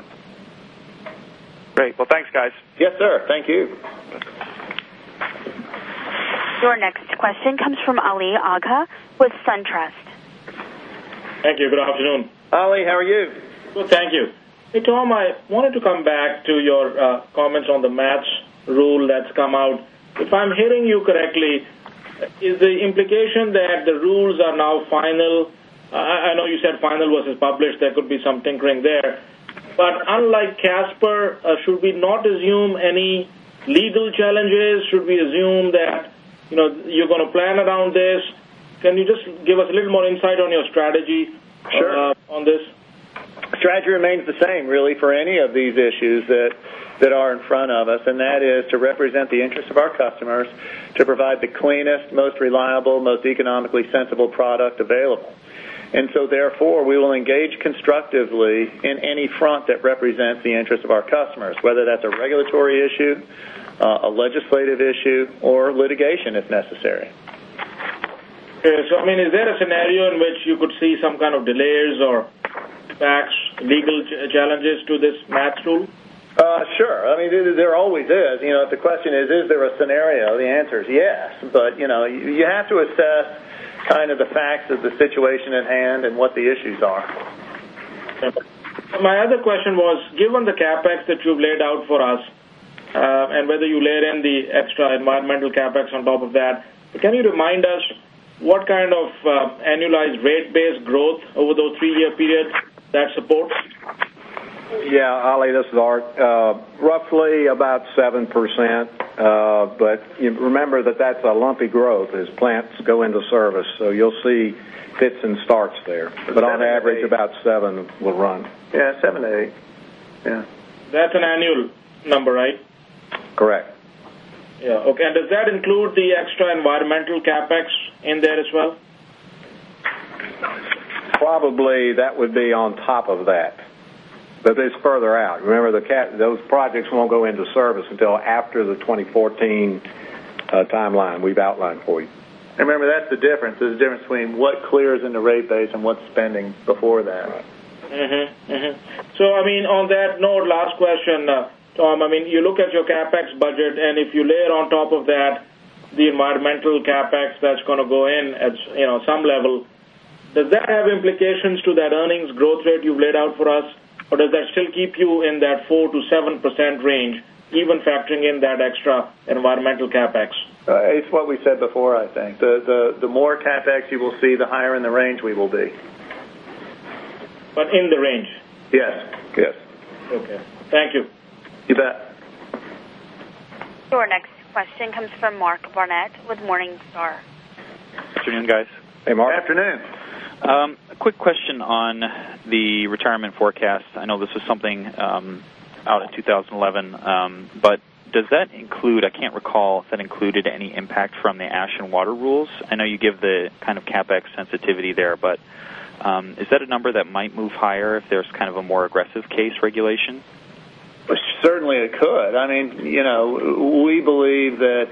Great. Thanks, guys. Yes, sir. Thank you. Your next question comes from Ali Agha with SunTrust. Thank you. Good afternoon. Ali, how are you? Good, thank you. Hey Tom, I wanted to come back to your comments on the MATS rule that's come out. If I'm hearing you correctly, is the implication that the rules are now final? I know you said final versus published. There could be some tinkering there. Unlike CASPER, should we not assume any legal challenges? Should we assume that you're going to plan around this? Can you just give us a little more insight on your strategy on this? Sure. Strategy remains the same, really, for any of these issues that are in front of us, and that is to represent the interests of our customers, to provide the cleanest, most reliable, most economically sensible product available. Therefore, we will engage constructively in any front that represents the interests of our customers, whether that's a regulatory issue, a legislative issue, or litigation if necessary. Okay. Is there a scenario in which you could see some kind of delays or legal challenges to this MATS rule? Sure. There always is. The question is, is there a scenario? The answer is yes. You have to assess the facts of the situation at hand and what the issues are. Okay. My other question was, given the CapEx that you've laid out for us and whether you laid in the extra environmental CapEx on top of that, can you remind us what kind of annualized rate-based growth over those three-year periods that supports? Yeah, Ali, this is Art. Roughly about 7%. Remember that that's a lumpy growth as plants go into service. You'll see fits and starts there, but on average, about 7% will run. Yeah, 7% to 8%. Yeah, that's an annual number, right? Correct. Okay. Does that include the extra environmental CapEx in there as well? That would be on top of that. It's further out. Remember, those projects won't go into service until after the 2014 timeline we've outlined for you. Remember, that's the difference. There's a difference between what clears in the rate base and what's spending before that. Right. I mean, on that note, last question, Tom. I mean, you look at your CapEx budget, and if you layer on top of that the environmental CapEx that's going to go in at some level, does that have implications to that earnings growth rate you've laid out for us, or does that still keep you in that 4%-7% range, even factoring in that extra environmental CapEx? It's what we said before, I think. The more CapEx you will see, the higher in the range we will be. it in the range? Yes. Yes. Okay, thank you. You bet. Your next question comes from Mark Barnett with Morningstar. Good afternoon, guys. Hey, Mark. Good afternoon. A quick question on the retirement forecast. I know this was something out of 2011, but does that include, I can't recall if that included any impact from the ash and water rules? I know you give the kind of CapEx sensitivity there, but is that a number that might move higher if there's kind of a more aggressive case regulation? Certainly, it could. I mean, you know, we believe that,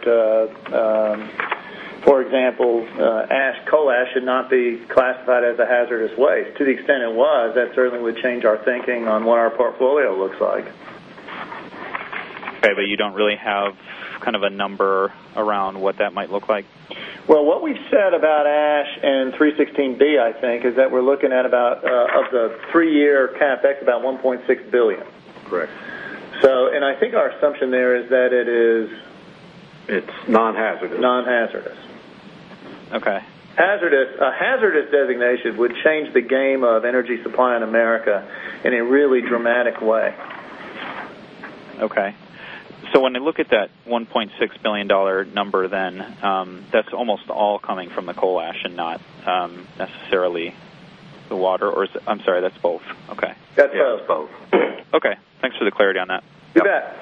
for example, coal ash should not be classified as a hazardous waste. To the extent it was, that certainly would change our thinking on what our portfolio looks like. Okay, you don't really have kind of a number around what that might look like? What we've said about ash and 316B, I think, is that we're looking at about, of the three-year CapEx, about $1.6 billion. Correct. I think our assumption there is that it is. It's non-hazardous. Non-hazardous. Okay. A hazardous designation would change the game of energy supply in America in a really dramatic way. Okay. When I look at that $1.6 billion number, that's almost all coming from the coal ash and not necessarily the water, or is it, I'm sorry, that's both. Okay. That's both. Okay, thanks for the clarity on that. You bet.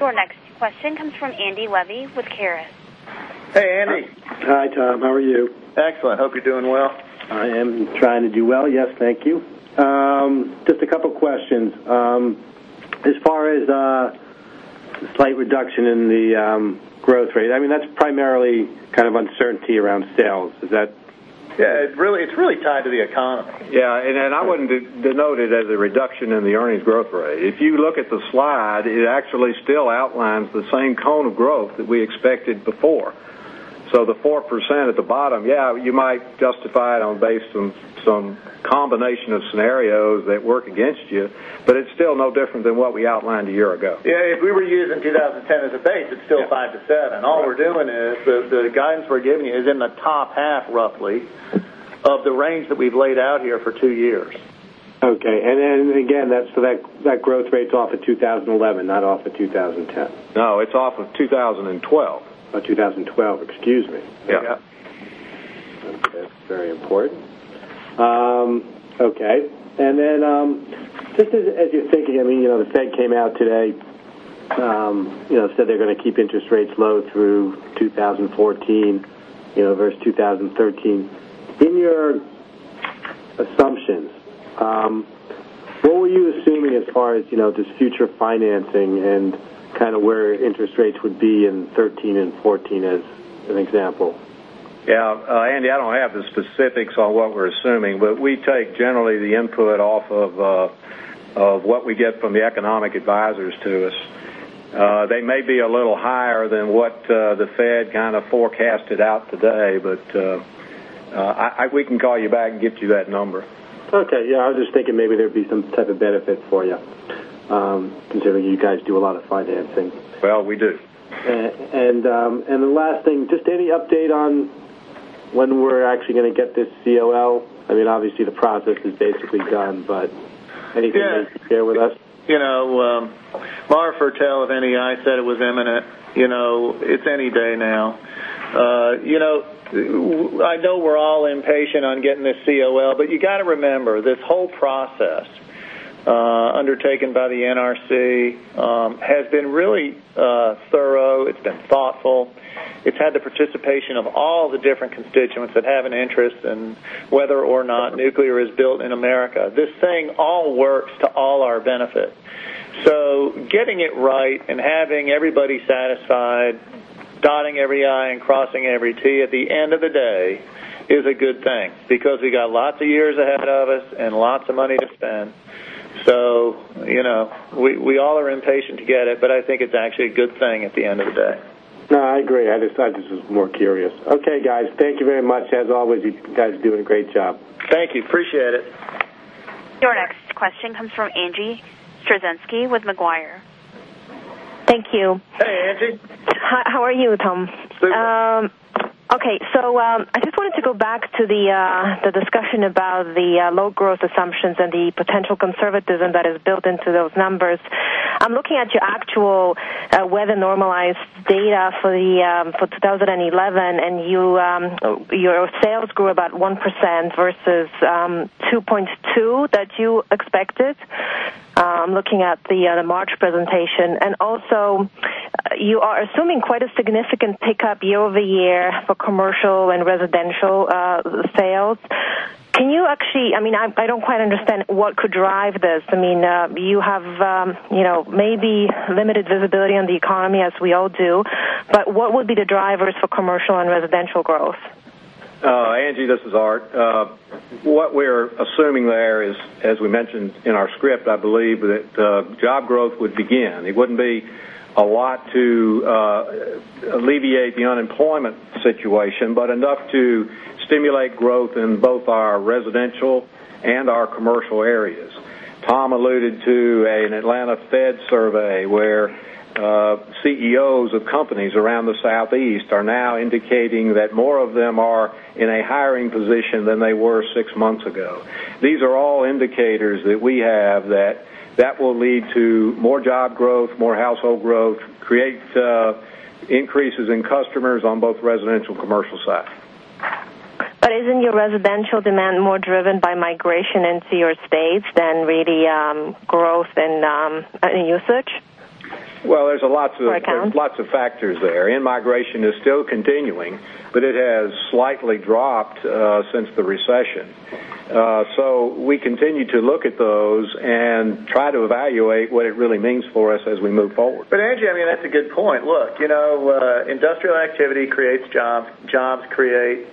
Your next question comes from Andy Levy with Citi. Hey, Andy. Hi, Tom. How are you? Excellent. Hope you're doing well. I am trying to do well. Yes, thank you. Just a couple of questions. As far as the slight reduction in the growth rate, that's primarily kind of uncertainty around sales, is that? Yeah, it's really tied to the economy. I wouldn't denote it as a reduction in the earnings growth rate. If you look at the slide, it actually still outlines the same cone of growth that we expected before. The 4% at the bottom, you might justify it based on some combination of scenarios that work against you, but it's still no different than what we outlined a year ago. Yeah, if we were using 2010 as a base, it's still 5%. All we're doing is the guidance we're giving you is in the top half, roughly, of the range that we've laid out here for two years. Okay. That's for that growth rate off of 2011, not off of 2010? No, it's off of 2012. Of 2012, excuse me. Yeah. Okay. That's very important. Okay. Just as you're thinking, I mean, you know, the Fed came out today, you know, said they're going to keep interest rates low through 2014 versus 2013. In your assumptions, what were you assuming as far as, you know, this future financing and kind of where interest rates would be in 2013 and 2014 as an example? Yeah. Andy, I don't have the specifics on what we're assuming, but we take generally the input off of what we get from the economic advisors to us. They may be a little higher than what the Fed kind of forecasted out today, but we can call you back and get you that number. Okay, I was just thinking maybe there'd be some type of benefit for you, considering you guys do a lot of financing. We do. Is there any update on when we're actually going to get this COL? I mean, obviously, the process is basically done, but anything to share with us? Laura Fertel of NEI said it was imminent. You know, it's any day now. I know we're all impatient on getting this COL, but you got to remember this whole process undertaken by the NRC has been really thorough. It's been thoughtful. It's had the participation of all the different constituents that have an interest in whether or not nuclear is built in America. This thing all works to all our benefit. Getting it right and having everybody satisfied, dotting every I and crossing every T at the end of the day is a good thing because we got lots of years ahead of us and lots of money to spend. We all are impatient to get it, but I think it's actually a good thing at the end of the day. No, I agree. I just thought this was more curious. Okay, guys, thank you very much. As always, you guys are doing a great job. Thank you. Appreciate it. Your next question comes from Angie Storozynski with Macquarie. Thank you. Hey, Angie. Hi. How are you, Tom? Super. Okay. I just wanted to go back to the discussion about the low growth assumptions and the potential conservatism that is built into those numbers. I'm looking at your actual weather normalized data for 2011, and your sales grew about 1% versus 2.2% that you expected. I'm looking at the March presentation. Also, you are assuming quite a significant pickup year-over-year for commercial and residential sales. Can you actually, I mean, I don't quite understand what could drive this. I mean, you have maybe limited visibility on the economy, as we all do. What would be the drivers for commercial and residential growth? Oh, Angie, this is Art. What we're assuming there is, as we mentioned in our script, I believe that job growth would begin. It wouldn't be a lot to alleviate the unemployment situation, but enough to stimulate growth in both our residential and our commercial areas. Tom alluded to an Atlanta Fed survey where CEOs of companies around the Southeast are now indicating that more of them are in a hiring position than they were six months ago. These are all indicators that we have that that will lead to more job growth, more household growth, create increases in customers on both the residential and commercial side. Isn't your residential demand more driven by migration into your states than really growth and usage? There are lots of factors there. Migration is still continuing, but it has slightly dropped since the recession. We continue to look at those and try to evaluate what it really means for us as we move forward. Angie, that's a good point. Look, industrial activity creates jobs. Jobs create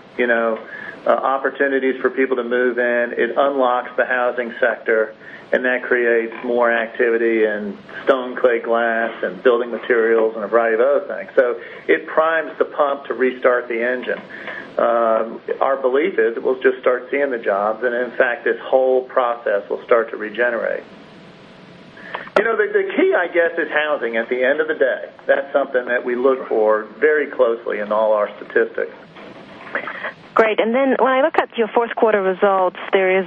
opportunities for people to move in. It unlocks the housing sector, and that creates more activity in stone-clay glass and building materials and a variety of other things. It primes the pump to restart the engine. Our belief is that we'll just start seeing the jobs, and in fact, this whole process will start to regenerate. The key, I guess, is housing at the end of the day. That's something that we look for very closely in all our statistics. Great. When I look at your fourth quarter results, there is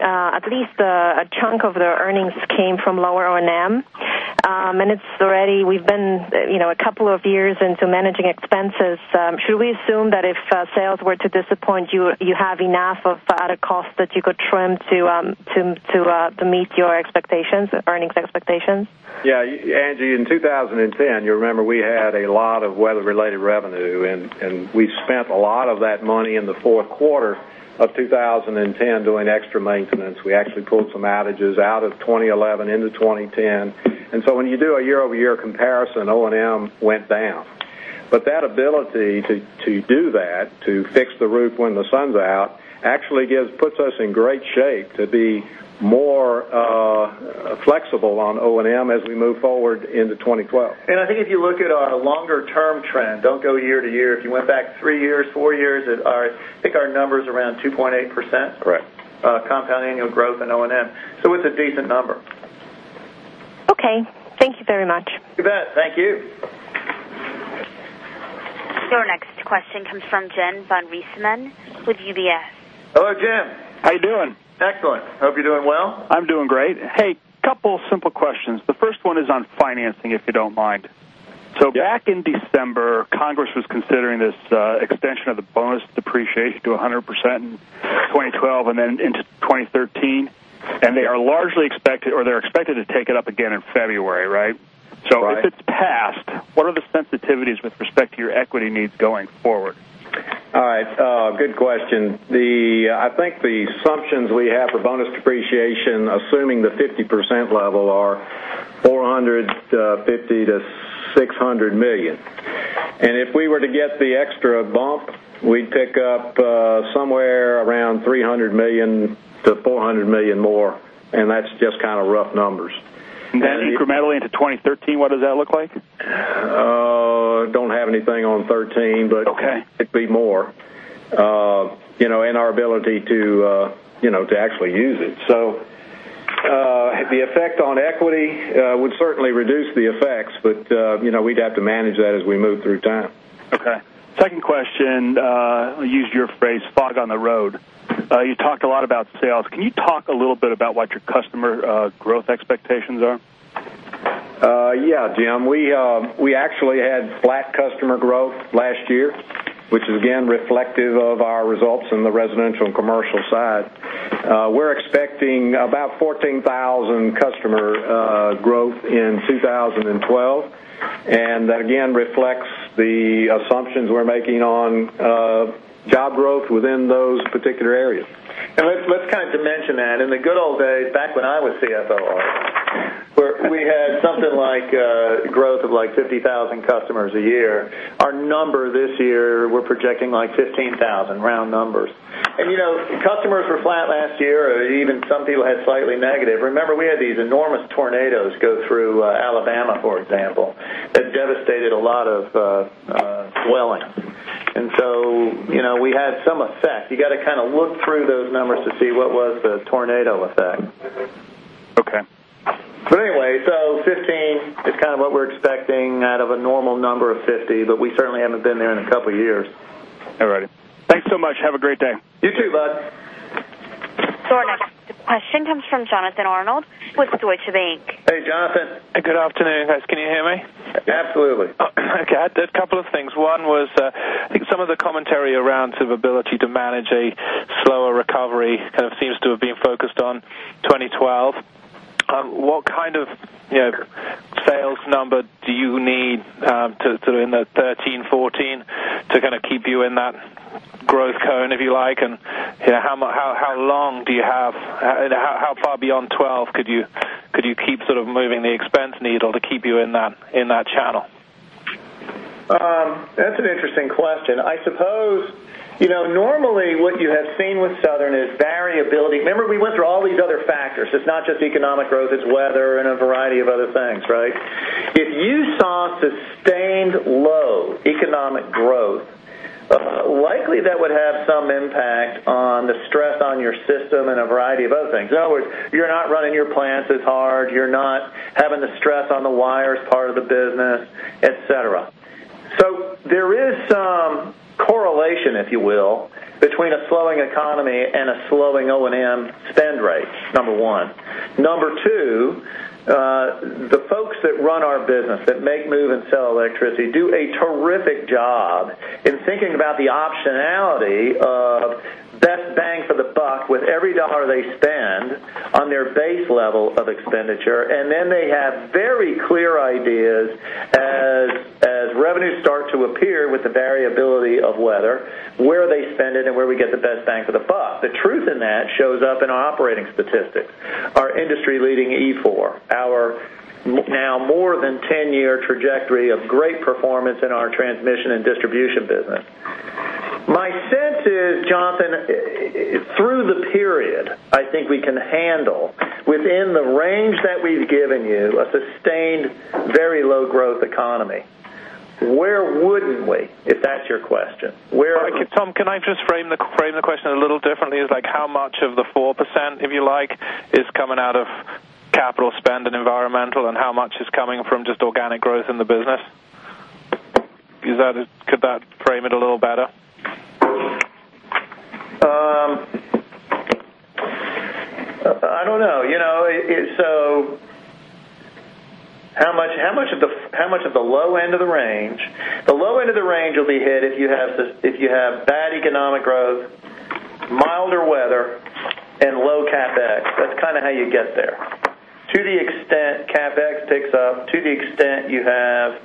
at least a chunk of the earnings came from lower O&M. It's already, we've been a couple of years into managing expenses. Should we assume that if sales were to disappoint you, you have enough of other costs that you could trim to meet your expectations, earnings expectations? Yeah. Angie, in 2010, you remember we had a lot of weather-related revenue, and we spent a lot of that money in the fourth quarter of 2010 doing extra maintenance. We actually pulled some outages out of 2011 into 2010. When you do a year-over-year comparison, O&M went down. That ability to do that, to fix the roof when the sun's out, actually puts us in great shape to be more flexible on O&M as we move forward into 2012. If you look at our longer-term trend, don't go year to year. If you went back three years, four years, I think our number is around 2.8% compound annual growth in O&M. It's a decent number. Okay, thank you very much. You bet. Thank you. Your next question comes from Jen Van Rietsman with UBS. Hello, Jen. How are you doing? Excellent. I hope you're doing well. I'm doing great. Hey, a couple of simple questions. The first one is on financing, if you don't mind. Yeah. Back in December, Congress was considering this extension of the bonus depreciation to 100% in 2012 and then in 2013. They're expected to take it up again in February, right? Right. If it's passed, what are the sensitivities with respect to your equity needs going forward? All right. Good question. I think the assumptions we have for bonus depreciation, assuming the 50% level, are $450 million-$600 million. If we were to get the extra bump, we'd pick up somewhere around $300 million-$400 million more. That's just kind of rough numbers. That incrementally into 2013, what does that look like? Don't have anything on 2013, but it could be more. In our ability to actually use it, the effect on equity would certainly reduce the effects, but we'd have to manage that as we move through time. Okay. Second question, I'll use your phrase, fog on the road. You talked a lot about sales. Can you talk a little bit about what your customer growth expectations are? Yeah, Jim, we actually had flat customer growth last year, which is again reflective of our results in the residential and commercial side. We're expecting about 14,000 customer growth in 2012, which again reflects the assumptions we're making on job growth within those particular areas. Let's kind of dimension that. In the good old days, back when I was CFO, we had something like growth of like 50,000 customers a year. Our number this year, we're projecting like 15,000, round numbers. You know, customers were flat last year, or even some people had slightly negative. Remember, we had these enormous tornadoes go through Alabama, for example, that devastated a lot of dwellings. You know, we had some effect. You got to kind of look through those numbers to see what was the tornado effect. Okay. Fifteen is kind of what we're expecting out of a normal number of 50, but we certainly haven't been there in a couple of years. All righty. Thanks so much. Have a great day. You too, bud. The question comes from Jonathan Arnold with Deutsche Bank. Hey, Jonathan. Good afternoon, guys. Can you hear me? Absolutely. Okay. I had a couple of things. One was, I think some of the commentary around sort of ability to manage a slower recovery kind of seems to have been focused on 2012. What kind of sales number do you need to sort of in the 2013, 2014 to kind of keep you in that growth cone, if you like? You know, how long do you have, how far beyond 2012 could you keep sort of moving the expense needle to keep you in that channel? That's an interesting question. I suppose, you know, normally what you have seen with Southern is variability. Remember, we went through all these other factors. It's not just economic growth. It's weather and a variety of other things, right? If you saw sustained low economic growth, likely that would have some impact on the stress on your system and a variety of other things. In other words, you're not running your plants as hard. You're not having the stress on the wires, part of the business, etc. There is some correlation, if you will, between a slowing economy and a slowing O&M spend rate, number one. Number two, the folks that run our business, that make, move, and sell electricity, do a terrific job in thinking about the optionality of that bang for the buck with every dollar they spend on their base level of expenditure. They have very clear ideas as revenues start to appear with the variability of weather, where they spend it and where we get the best bang for the buck. The truth in that shows up in our operating statistics, our industry-leading E4, our now more than 10-year trajectory of great performance in our transmission and distribution business. My sense is, Jonathan, through the period, I think we can handle, within the range that we've given you, a sustained, very low growth economy. Where wouldn't we, if that's your question? Tom, can I just frame the question a little differently? It's like how much of the 4%, if you like, is coming out of capital spend and environmental, and how much is coming from just organic growth in the business? Could that frame it a little better? I don't know. You know, how much of the low end of the range? The low end of the range will be hit if you have bad economic growth, milder weather, and low CapEx. That's kind of how you get there. To the extent CapEx picks up, to the extent you have,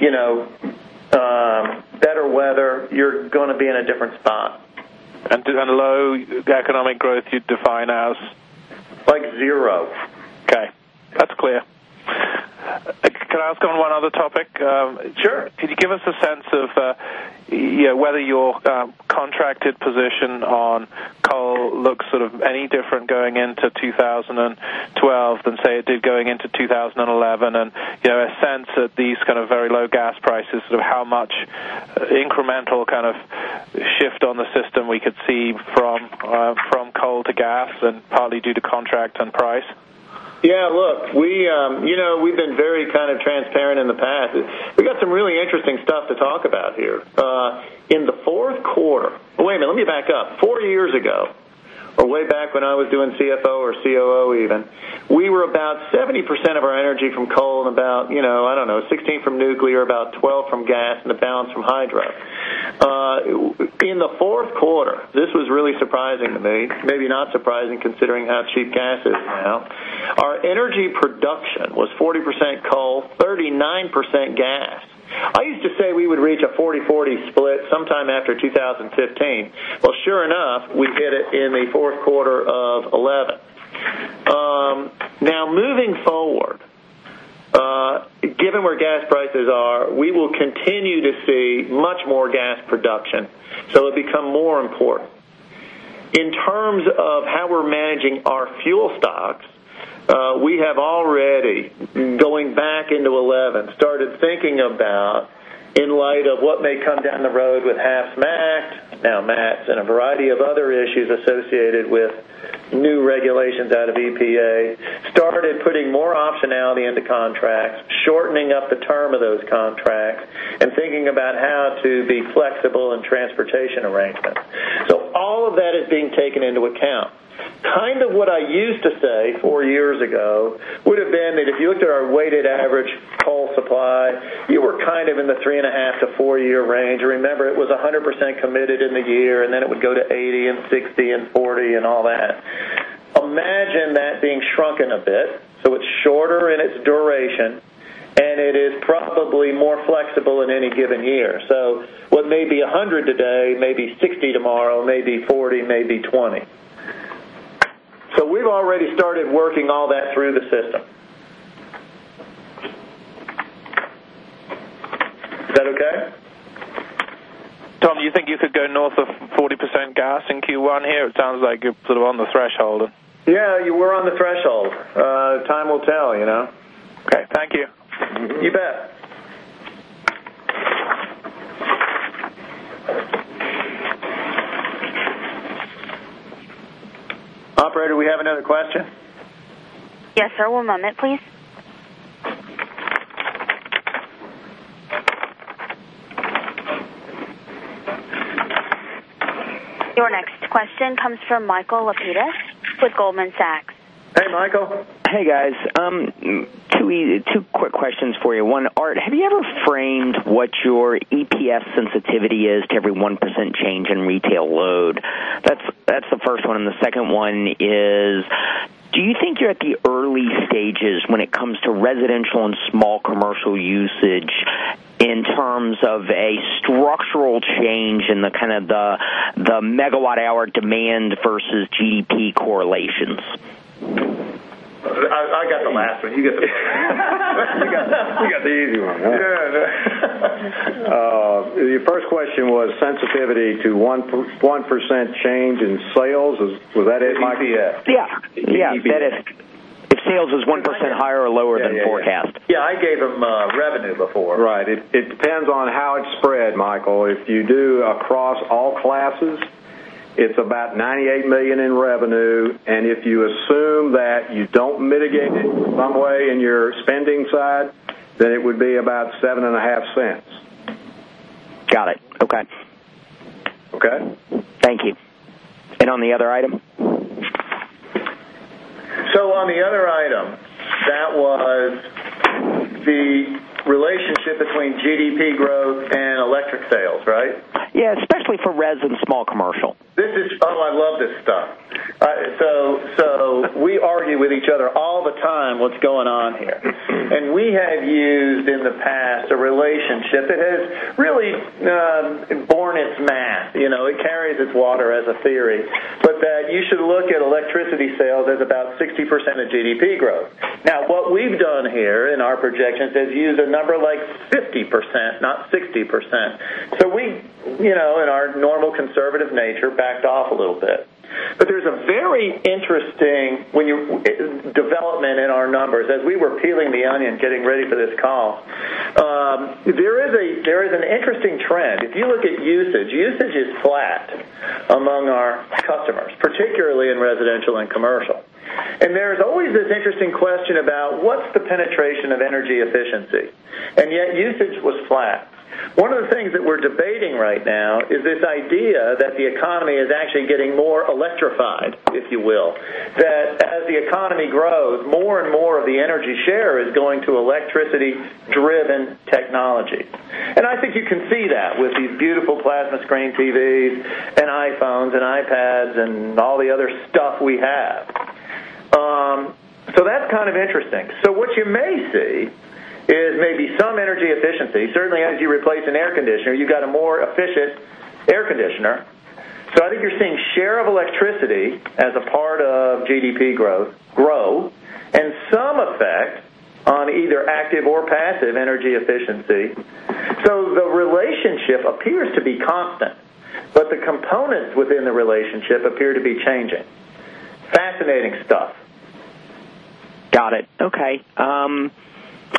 you know, better weather, you're going to be in a different spot. Low economic growth you'd define as? Like zero. Okay, that's clear. Can I ask on one other topic? Sure. Could you give us a sense of whether your contracted position on coal looks sort of any different going into 2012 than, say, it did going into 2011? You know, a sense that these kind of very low gas prices, sort of how much incremental kind of shift on the system we could see from coal to gas and partly due to contract and price? Yeah, look, you know, we've been very kind of transparent in the past. We've got some really interesting stuff to talk about here. In the fourth quarter, let me back up. Four years ago, or way back when I was doing CFO or COO even, we were about 70% of our energy from coal and about, you know, I don't know, 16% from nuclear, about 12% from gas, and the balance from hydro. In the fourth quarter, this was really surprising to me, maybe not surprising considering how cheap gas is now. Our energy production was 40% coal, 39% gas. I used to say we would reach a 40/40 split sometime after 2015. Sure enough, we hit it in the fourth quarter of 2011. Now, moving forward, given where gas prices are, we will continue to see much more gas production. It'll become more important. In terms of how we're managing our fuel stocks, we have already, going back into 2011, started thinking about, in light of what may come down the road with the HACCP Act, now MATS, and a variety of other issues associated with new regulations out of the EPA, started putting more optionality into contracts, shortening up the term of those contracts, and thinking about how to be flexible in transportation arrangements. All of that is being taken into account. What I used to say four years ago would have been that if you looked at our weighted average whole supply, you were kind of in the three and a half to four-year range. Remember, it was 100% committed in the year, and then it would go to 80 and 60 and 40 and all that. Imagine that being shrunken a bit. It's shorter in its duration, and it is probably more flexible in any given year. What may be 100 today may be 60 tomorrow, may be 40, may be 20. We've already started working all that through the system. Tom, do you think you could go north of 40% gas in Q1 here? It sounds like you're sort of on the threshold. Yeah, we're on the threshold. Time will tell, you know. Okay. Thank you. You Bet. Operator, we have another question. Yes, sir. One moment, please. Your next question comes from Michael Lapides with Goldman Sachs. Hey, Michael. Hey, guys. Two quick questions for you. One, Art, have you ever framed what your EPS sensitivity is to every 1% change in retail load? That's the first one. The second one is, do you think you're at the early stages when it comes to residential and small commercial usage in terms of a structural change in the kind of the megawatt-hour demand versus GDP correlations? I got the last one. You got the easy one, huh? Your first question was sensitivity to 1% change in sales. Was that it, Mike? Yes. Yeah. Yeah, that is. If sales is 1% higher or lower than forecast. Yeah, I gave them revenue before. Right. It depends on how it's spread, Michael. If you do across all classes, it's about $98 million in revenue. If you assume that you don't mitigate it in one way in your spending side, then it would be about $0.075. Got it. Okay. Okay? Thank you. On the other item? On the other item, that was the relationship between GDP growth and electric sales, right? Yeah, especially for res and small commercial. Oh, I love this stuff. We argue with each other all the time about what's going on here. We have used in the past a relationship that has really borne its math. It carries its water as a theory, that you should look at electricity sales as about 60% of GDP growth. Now, what we've done here in our projections is use a number like 50%, not 60%. In our normal conservative nature, we backed off a little bit. There is a very interesting development in our numbers as we were peeling the onion, getting ready for this call. There is an interesting trend. If you look at usage, usage is flat among our customers, particularly in residential and commercial. There's always this interesting question about what's the penetration of energy efficiency, and yet usage was flat. One of the things that we're debating right now is this idea that the economy is actually getting more electrified, if you will, that as the economy grows, more and more of the energy share is going to electricity-driven technology. I think you can see that with these beautiful plasma screen TVs and iPhones and iPads and all the other stuff we have. That's kind of interesting. What you may see is maybe some energy efficiency. Certainly, as you replace an air conditioner, you've got a more efficient air conditioner. I think you're seeing share of electricity as a part of GDP growth grow and some effect on either active or passive energy efficiency. The relationship appears to be constant, but the components within the relationship appear to be changing. Fascinating stuff. Got it. Okay,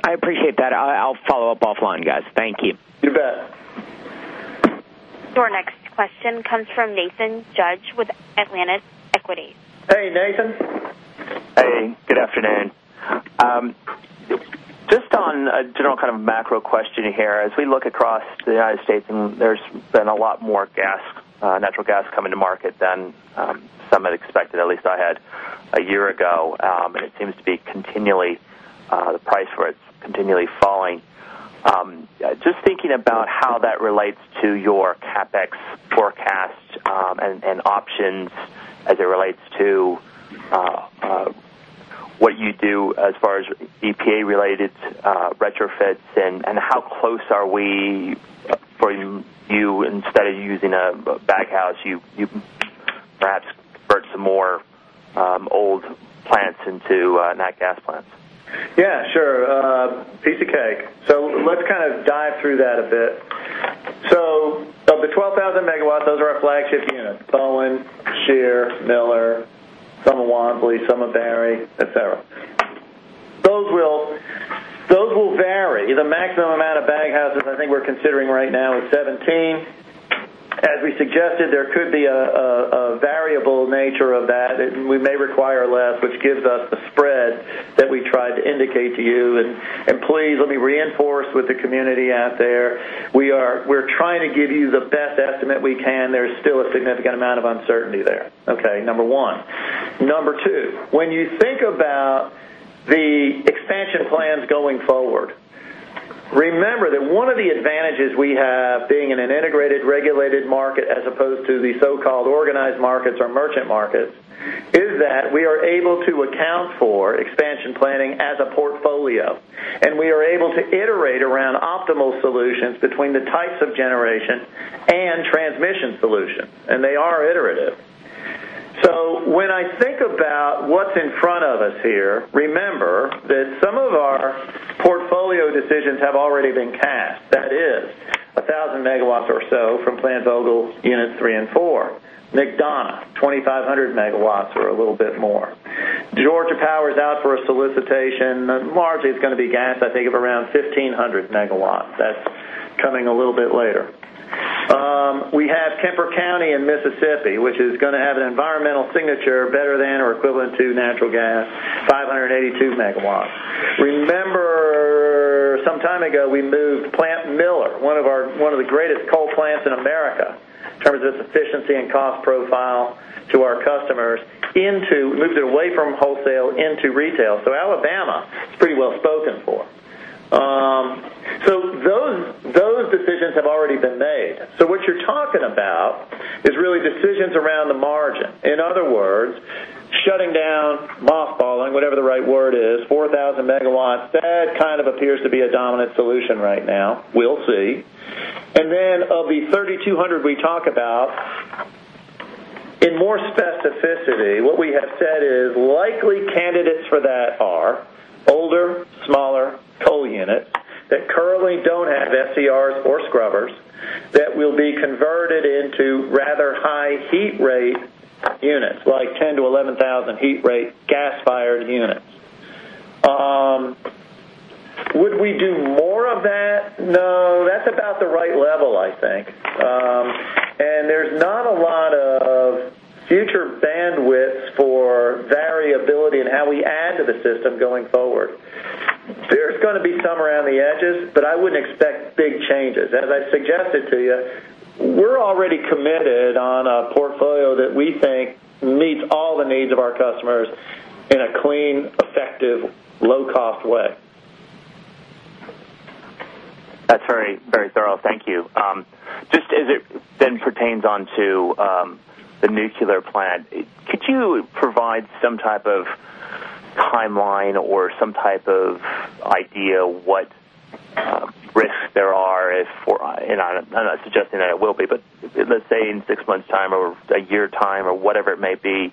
I appreciate that. I'll follow up offline, guys. Thank you. You bet. Our next question comes from Nathan Judge with Atlantic Equities. Hey, Nathan. Hey, good afternoon. Just on a general kind of macro question here, as we look across the United States, there's been a lot more natural gas coming to market than some had expected, at least I had a year ago. It seems to be continually, the price for it's continually falling. Just thinking about how that relates to your CapEx forecast and options as it relates to what you do as far as EPA-related retrofits and how close are we for you instead of using a bag house, you perhaps convert some more old plants into natural gas plants? Yeah, sure. Piece of cake. Let's kind of dive through that a bit. Of the 12,000 megawatts, those are our flagship units: Bowen, Scherer, Miller, some of Wansley, some of Barry, etc. Those will vary. The maximum amount of baghouses I think we're considering right now is 17. As we suggested, there could be a variable nature of that. We may require less, which gives us the spread that we tried to indicate to you. Please, let me reinforce with the community out there, we're trying to give you the best estimate we can. There's still a significant amount of uncertainty there. Number one. Number two, when you think about the expansion plans going forward, remember that one of the advantages we have, being in an integrated regulated market as opposed to the so-called organized markets or merchant markets, is that we are able to account for expansion planning as a portfolio. We are able to iterate around optimal solutions between the types of generation and transmission solutions, and they are iterative. When I think about what's in front of us here, remember that some of our portfolio decisions have already been cast. That is 1,000 MW or so from Plant Vogtle Units 3 and 4. McDonough, 2,500 MW or a little bit more. Georgia Power is out for a solicitation. Largely, it's going to be gas, I think of around 1,500 MW. That's coming a little bit later. We have Kemper County in Mississippi, which is going to have an environmental signature better than or equivalent to natural gas, 582 MW. Remember, some time ago, we moved Plant Miller, one of the greatest coal plants in America in terms of its efficiency and cost profile to our customers, moved it away from wholesale into retail. Alabama is pretty well spoken for. Those decisions have already been made. What you're talking about is really decisions around the margin. In other words, shutting down, mothballing, whatever the right word is, 4,000 MW, that kind of appears to be a dominant solution right now. We'll see. Of the 3,200 we talk about, in more specificity, what we have said is likely candidates for that are older, smaller coal units that currently don't have SCRs or scrubbers that will be converted into rather high heat rate units, like 10,000-11,000 heat rate gas-fired units. Would we do more of that? No, that's about the right level, I think. There's not a lot of future bandwidth for variability in how we add to the system going forward. There's going to be some around the edges, but I wouldn't expect big changes. As I've suggested to you, we're already committed on a portfolio that we think meets all the needs of our customers in a clean, effective, low-cost way. That's very, very thorough. Thank you. Just as it then pertains to the nuclear plant, could you provide some type of timeline or some type of idea what risks there are if, and I'm not suggesting that it will be, but let's say in six months' time or a year time or whatever it may be,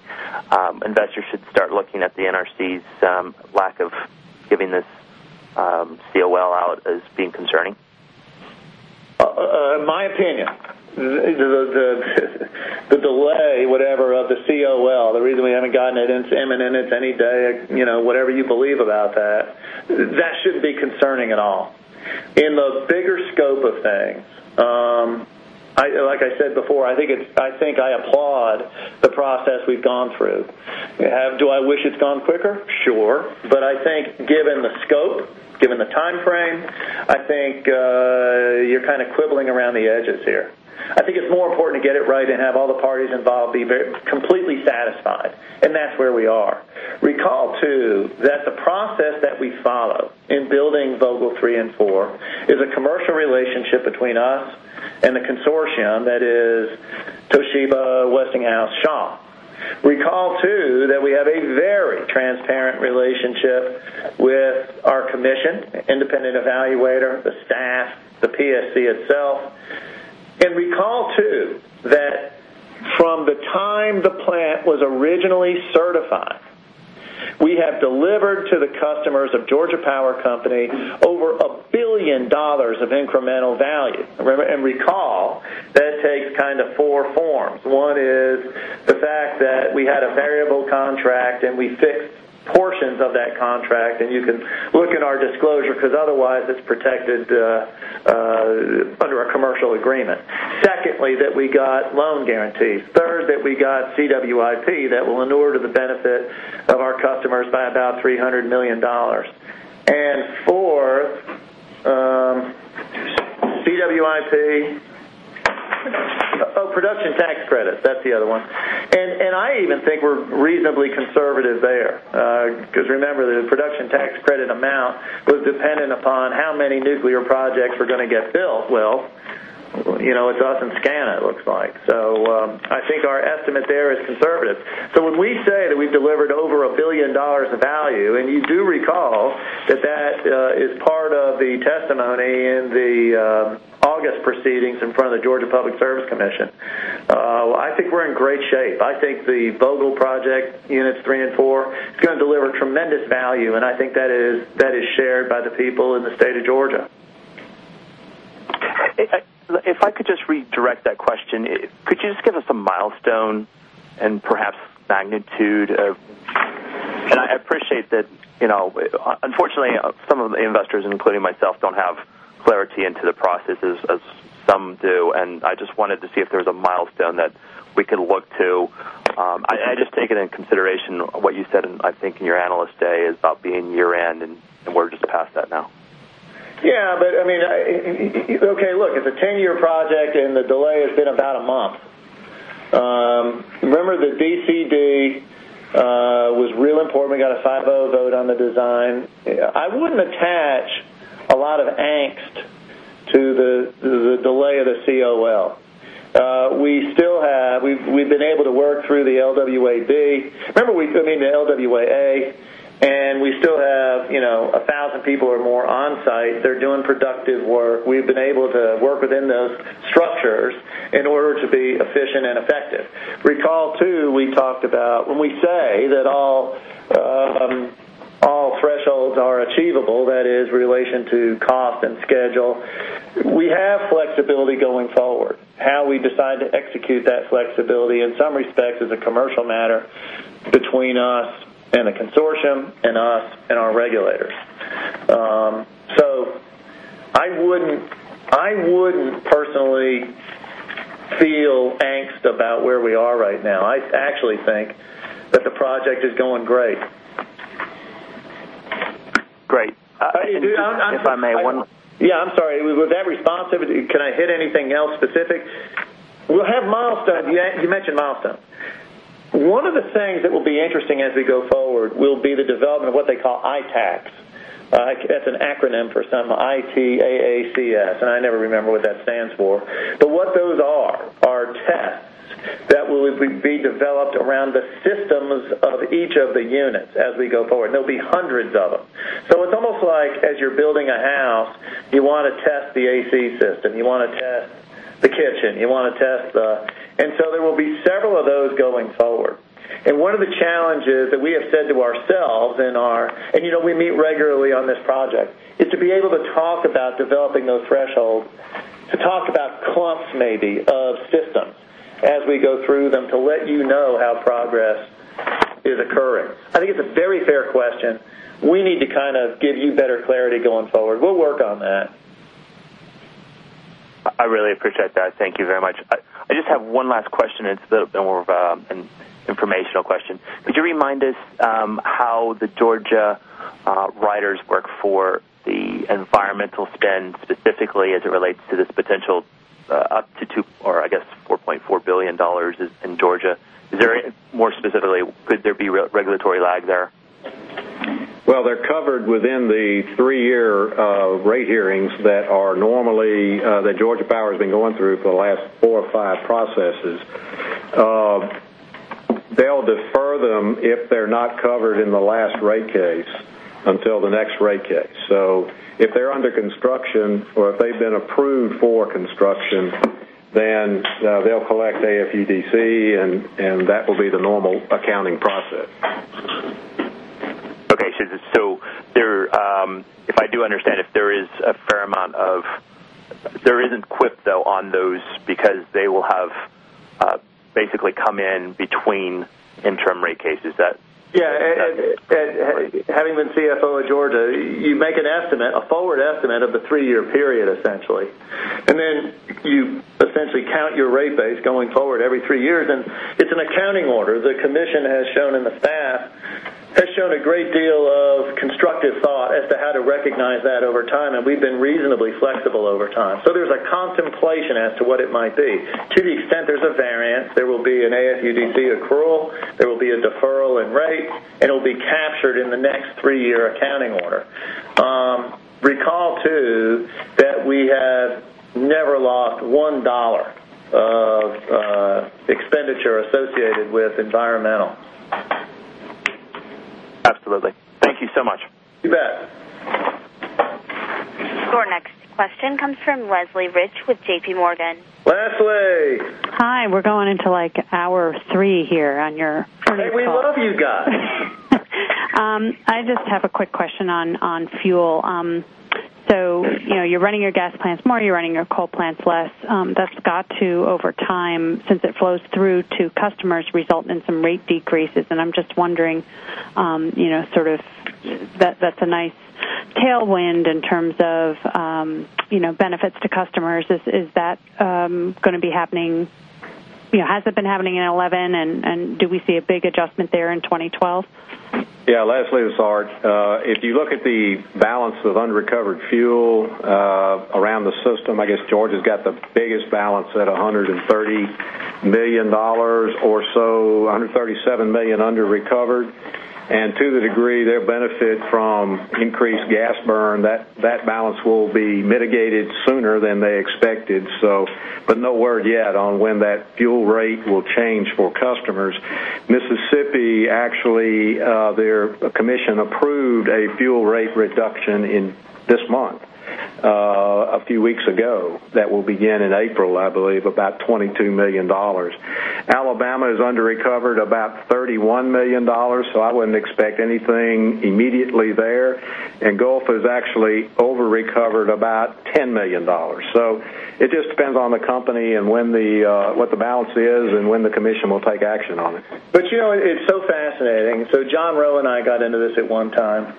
investors should start looking at the NRC's lack of giving this COL out as being concerning? In my opinion, the delay, whatever, of the COL, the reason we haven't gotten it, it's imminent, it's any day, you know, whatever you believe about that, that shouldn't be concerning at all. In the bigger scope of things, like I said before, I think I applaud the process we've gone through. Do I wish it's gone quicker? Sure. I think given the scope, given the timeframe, I think you're kind of quibbling around the edges here. I think it's more important to get it right and have all the parties involved be completely satisfied. That's where we are. Recall too, that the process that we follow in building Vogtle 3 and 4 is a commercial relationship between us and the consortium that is Toshiba, Westinghouse, Shaw. Recall too that we have a very transparent relationship with our commission, the independent evaluator, the staff, the PSC itself. Recall too that from the time the plant was originally certified, we have delivered to the customers of Georgia Power over $1 billion of incremental value. Recall that takes kind of four forms. One is the fact that we had a variable contract and we fixed portions of that contract. You can look at our disclosure because otherwise, it's protected under a commercial agreement. Secondly, that we got loan guarantees. Third, that we got CWIP that will in order to benefit our customers by about $300 million. Fourth, CWIP, oh, production tax credits, that's the other one. I even think we're reasonably conservative there. Remember, the production tax credit amount was dependent upon how many nuclear projects were going to get built. You know, it's us and Scana, it looks like. I think our estimate there is conservative. When we say that we've delivered over $1 billion of value, and you do recall that that is part of the testimony in the August proceedings in front of the Georgia Public Service Commission, I think we're in great shape. I think the Vogtle project, Units 3 and 4, is going to deliver tremendous value. I think that is shared by the people in the state of Georgia. If I could just redirect that question, could you just give us a milestone and perhaps magnitude of, and I appreciate that, you know, unfortunately, some of the investors, including myself, don't have clarity into the processes as some do. I just wanted to see if there was a milestone that we could look to. I just take it in consideration what you said, and I think in your analyst day is about being year-end, and we're just past that now. Yeah, but I mean, okay, look, it's a 10-year project, and the delay has been about a month. Remember, the DCD was real important. We got a 50 vote on the design. I wouldn't attach a lot of angst to the delay of the COL. We still have, we've been able to work through the LWAD. Remember, I mean, the LWAA, and we still have, you know, a thousand people or more on site. They're doing productive work. We've been able to work within those structures in order to be efficient and effective. Recall too, we talked about when we say that all thresholds are achievable, that is, relation to cost and schedule, we have flexibility going forward. How we decide to execute that flexibility, in some respects, is a commercial matter between us and the consortium and us and our regulators. I wouldn't personally feel angst about where we are right now. I actually think that the project is going great. Great. If I may. Yeah, I'm sorry. With that response, can I hit anything else specific? We'll have milestones. You mentioned milestones. One of the things that will be interesting as we go forward will be the development of what they call ITAACs. That's an acronym for some IT, AACS, and I never remember what that stands for. What those are are tests that will be developed around the systems of each of the units as we go forward. There'll be hundreds of them. It's almost like as you're building a house, you want to test the AC system, you want to test the kitchen, you want to test the... There will be several of those going forward. One of the challenges that we have said to ourselves in our... You know, we meet regularly on this project, is to be able to talk about developing those thresholds, to talk about clumps maybe of systems as we go through them to let you know how progress is occurring. I think it's a very fair question. We need to kind of give you better clarity going forward. We'll work on that. I really appreciate that. Thank you very much. I just have one last question. It's a little bit more of an informational question. Could you remind us how the Georgia riders work for the environmental spend specifically as it relates to this potential up to $2 billion, or I guess $4.4 billion in Georgia? Is there, more specifically, could there be regulatory lag there? They are covered within the three-year rate hearings that Georgia Power has been going through for the last four or five processes. They'll defer them if they're not covered in the last rate case until the next rate case. If they're under construction or if they've been approved for construction, then they'll collect AFUDC, and that will be the normal accounting process. Okay. If I do understand, if there is a fair amount of... There isn't equip though on those because they will have basically come in between interim rate cases. Yeah. Having been CFO of Georgia Power, you make an estimate, a forward estimate of the three-year period essentially. You essentially count your rate base going forward every three years. It's an accounting order. The commission has shown, and the staff has shown, a great deal of constructive thought as to how to recognize that over time. We've been reasonably flexible over time. There's a contemplation as to what it might be. To the extent there's a variance, there will be an AFUDC accrual. There will be a deferral in rate, and it will be captured in the next three-year accounting order. Recall too that we have never lost $1 of expenditure associated with environmental. Absolutely. Thank you so much. You bet. Our next question comes from Leslie Rich with JPMorgan. Leslie. Hi, we're going into hour three here on your. Hey, we love you guys. I just have a quick question on fuel. You know you're running your gas plants more, you're running your coal plants less. That's got to, over time, since it flows through to customers, result in some rate decreases. I'm just wondering, you know, that's a nice tailwind in terms of benefits to customers. Is that going to be happening? Has it been happening in 2011? Do we see a big adjustment there in 2012? Yeah, Leslie is hard. If you look at the balance of unrecovered fuel around the system, I guess Georgia's got the biggest balance at $130 million or so, $137 million under recovered. To the degree they'll benefit from increased gas burn, that balance will be mitigated sooner than they expected. No word yet on when that fuel rate will change for customers. Mississippi, actually, their commission approved a fuel rate reduction this month, a few weeks ago, that will begin in April, I believe, about $22 million. Alabama is under recovered about $31 million. I wouldn't expect anything immediately there. Gulf is actually over recovered about $10 million. It just depends on the company and what the balance is and when the commission will take action on it. You know, it's so fascinating. John Rowe and I got into this at one time.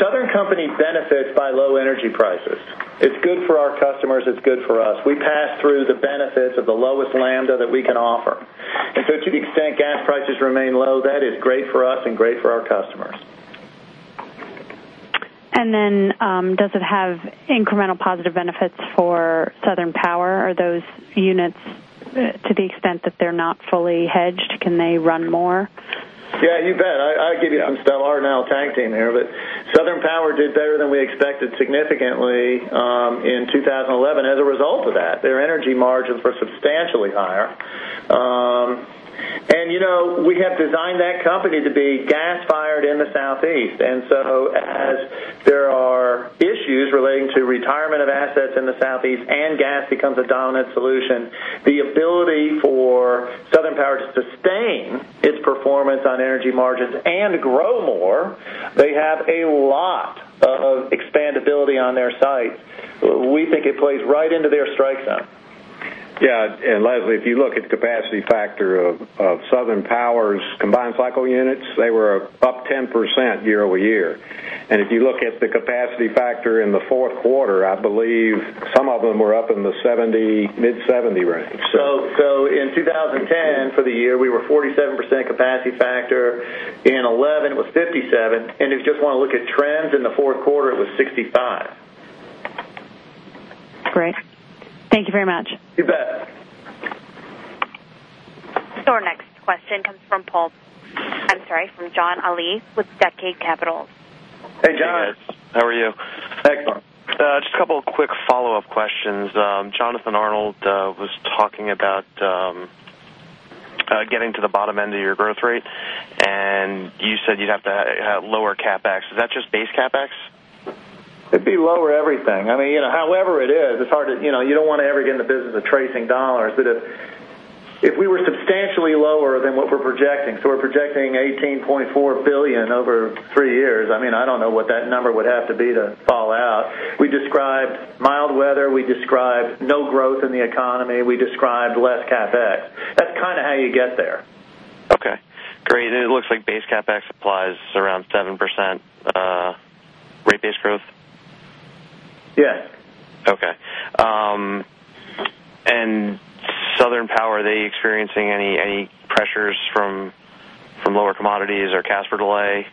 Southern Company benefits by low energy prices. It's good for our customers. It's good for us. We pass through the benefits of the lowest lambda that we can offer. To the extent gas prices remain low, that is great for us and great for our customers. Does it have incremental positive benefits for Southern Power? Are those units, to the extent that they're not fully hedged, can they run more? Yeah, you bet. I'll give you, I'm still our now tank team here, but Southern Power did better than we expected significantly in 2011 as a result of that. Their energy margins were substantially higher. You know, we have designed that company to be gas-fired in the Southeast. As there are issues relating to retirement of assets in the Southeast and gas becomes a dominant solution, the ability for Southern Power to sustain its performance on energy margins and grow more, they have a lot of expandability on their site. We think it plays right into their strike zone. Yeah. Leslie, if you look at the capacity factor of Southern Power's combined cycle units, they were up 10% year-over-ear. If you look at the capacity factor in the fourth quarter, I believe some of them were up in the mid-70% range. In 2010, for the year, we were 47% capacity factor. In 2011, it was 57%. If you just want to look at trends in the fourth quarter, it was 65%. Great. Thank you very much. You bet. Our next question comes from John Alli with Decade Capitals. Hey, John. How are you? Excellent. Just a couple of quick follow-up questions. Jonathan Arnold was talking about getting to the bottom end of your growth rate. You said you'd have to have lower CapEx. Is that just base CapEx? It'd be lower everything. I mean, you know, however it is, it's hard to, you don't want to ever get in the business of tracing dollars. If we were substantially lower than what we're projecting, we're projecting $18.4 billion over three years. I mean, I don't know what that number would have to be to fall out. We described mild weather, no growth in the economy, less CapEx. That's kind of how you get there. Okay. Great. It looks like base CapEx applies around 7% rate-based growth. Yes. Okay. Is Southern Power experiencing any pressures from lower commodities or CASPER delay?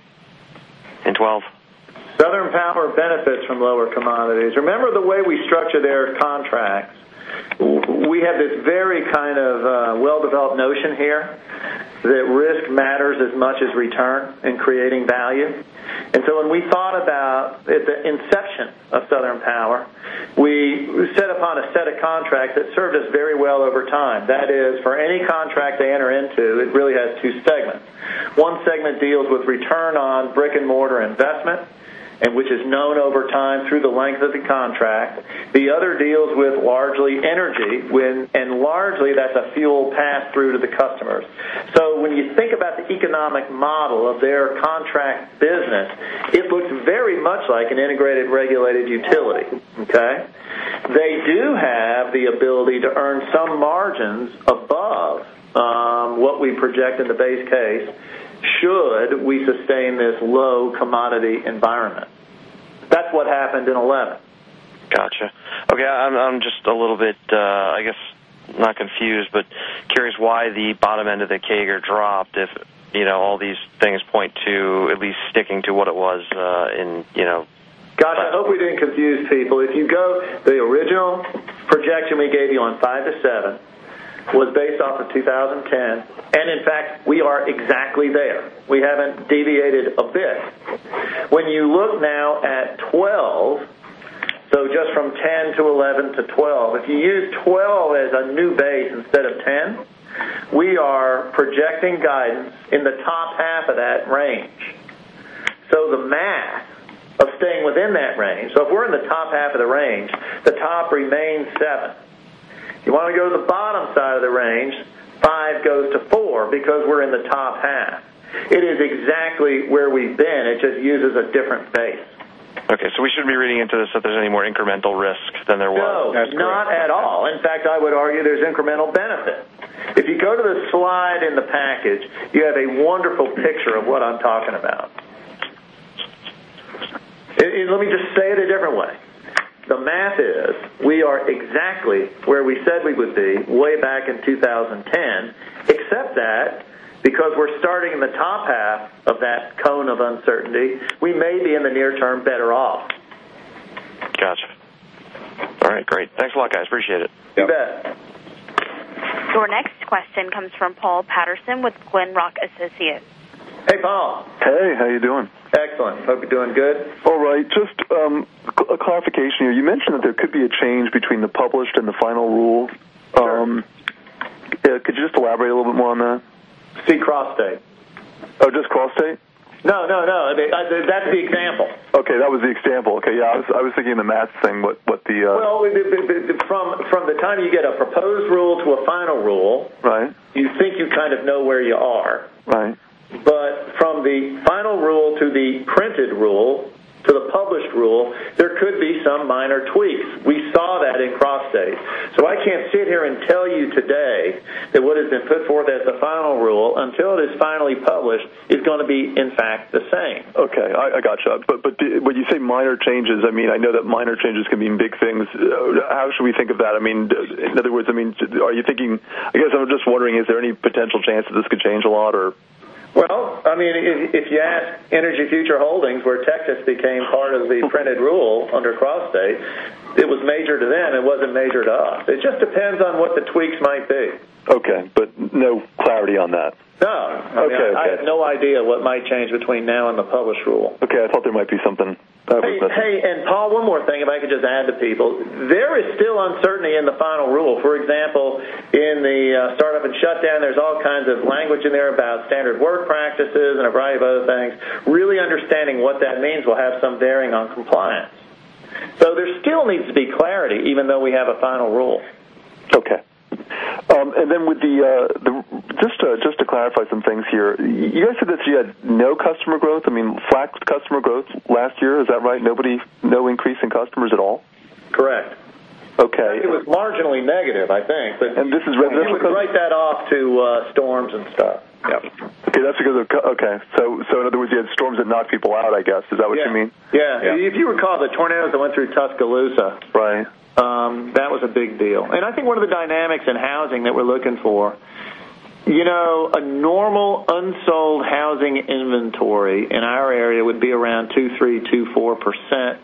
Southern Power benefits from lower commodities. Remember the way we structured their contracts? We have this very kind of well-developed notion here that risk matters as much as return in creating value. When we thought about at the inception of Southern Power, we set upon a set of contracts that served us very well over time. That is, for any contract to enter into, it really has two segments. One segment deals with return on brick-and-mortar investment, which is known over time through the length of the contract. The other deals with largely energy, and largely that's a fuel pass-through to the customers. When you think about the economic model of their contract business, it looks very much like an integrated regulated utility. They do have the ability to earn some margins above what we project in the base case should we sustain this low commodity environment. That's what happened in 2011. Gotcha. Okay, I'm just a little bit, I guess, not confused, but curious why the bottom end of the CAGR dropped if, you know, all these things point to at least sticking to what it was in, you know. I hope we didn't confuse people. If you go, the original projection we gave you on five to seven was based off of 2010. In fact, we are exactly there. We haven't deviated a bit. When you look now at 2012, just from 2010 to 2011 to 2012, if you use 2012 as a new base instead of 2010, we are projecting guidance in the top half of that range. The math of staying within that range, if we're in the top half of the range, the top remains seven. If you want to go to the bottom side of the range, five goes to four because we're in the top half. It is exactly where we've been. It just uses a different base. Okay, we shouldn't be reading into this that there's any more incremental risk than there was. No, not at all. In fact, I would argue there's incremental benefit. If you go to the slide in the package, you have a wonderful picture of what I'm talking about. Let me just say it a different way. The math is we are exactly where we said we would be way back in 2010, except that because we're starting in the top half of that cone of uncertainty, we may be in the near term better off. Gotcha. All right, great. Thanks a lot, guys. Appreciate it. You bet. Our next question comes from Paul Patterson with Glenrock Associates. Hey, Paul. Hey, how are you doing? Excellent. Hope you're doing good. All right. Just a clarification here. You mentioned that there could be a change between the published and the final rules. Could you just elaborate a little bit more on that? See cross date. Oh, just cross date? No, no, no. That's the example. Okay, that was the example. Yeah, I was thinking the math thing, what the. From the time you get a proposed rule to a final rule, you think you kind of know where you are. Right. However, from the final rule to the printed rule to the published rule, there could be some minor tweaks. We saw that in cross days. I can't sit here and tell you today that what has been put forth as the final rule until it is finally published is going to be, in fact, the same. Okay, I gotcha. When you say minor changes, I know that minor changes can mean big things. How should we think of that? In other words, are you thinking, I guess I'm just wondering, is there any potential chance that this could change a lot? If you ask Energy Future Holdings, where Texas became part of the printed rule under cross state, it was major to them. It wasn't major to us. It just depends on what the tweaks might be. Okay, no clarity on that. No, okay. I have no idea what might change between now and the published rule. Okay, I thought there might be something. Hey, and Paul, one more thing, if I could just add to people, there is still uncertainty in the final rule. For example, in the startup and shutdown, there's all kinds of language in there about standard work practices and a variety of other things. Really understanding what that means will have some bearing on compliance. There still needs to be clarity, even though we have a final rule. Okay. Just to clarify some things here, you guys said that you had no customer growth. I mean, flat customer growth last year, is that right? Nobody, no increase in customers at all? Correct. Okay. It was marginally negative, I think. You could write that off to storms and stuff. Okay, that's because of, okay. In other words, you had storms that knocked people out, I guess. Is that what you mean? Yeah. If you recall the tornadoes that went through Tuscaloosa, right, that was a big deal. I think one of the dynamics in housing that we're looking for, you know, a normal unsold housing inventory in our area would be around 2.3%, 2.4%.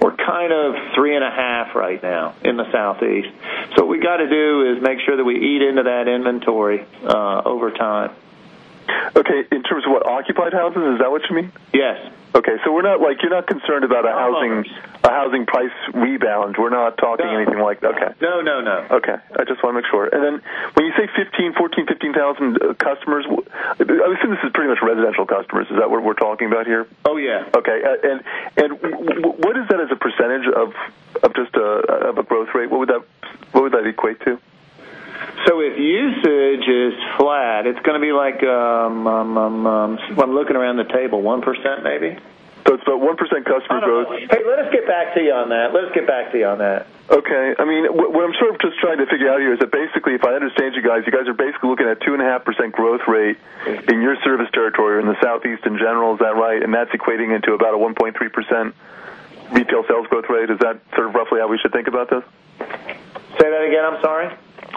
We're kind of 3.5% right now in the Southeast. What we got to do is make sure that we eat into that inventory over time. Okay. In terms of what, occupied houses, is that what you mean? Yes. Okay. You're not concerned about a housing price rebound. We're not talking anything like, okay. No, no, no. Okay. I just want to make sure. When you say 15,000, 14,000, 15,000 customers, I assume this is pretty much residential customers. Is that what we're talking about here? Oh, yeah. Okay. What is that as a percentage of just a growth rate? What would that equate to? If usage is flat, it's going to be like, I'm looking around the table, 1% maybe. It is about 1% customer growth. Let us get back to you on that. Let us get back to you on that. Okay. I mean, what I'm sort of just trying to figure out here is that basically, if I understand you guys, you guys are basically looking at 2.5% growth rate in your service territory or in the Southeast in general, is that right? That's equating into about a 1.3% retail sales growth rate. Is that sort of roughly how we should think about this? Say that again, I'm sorry.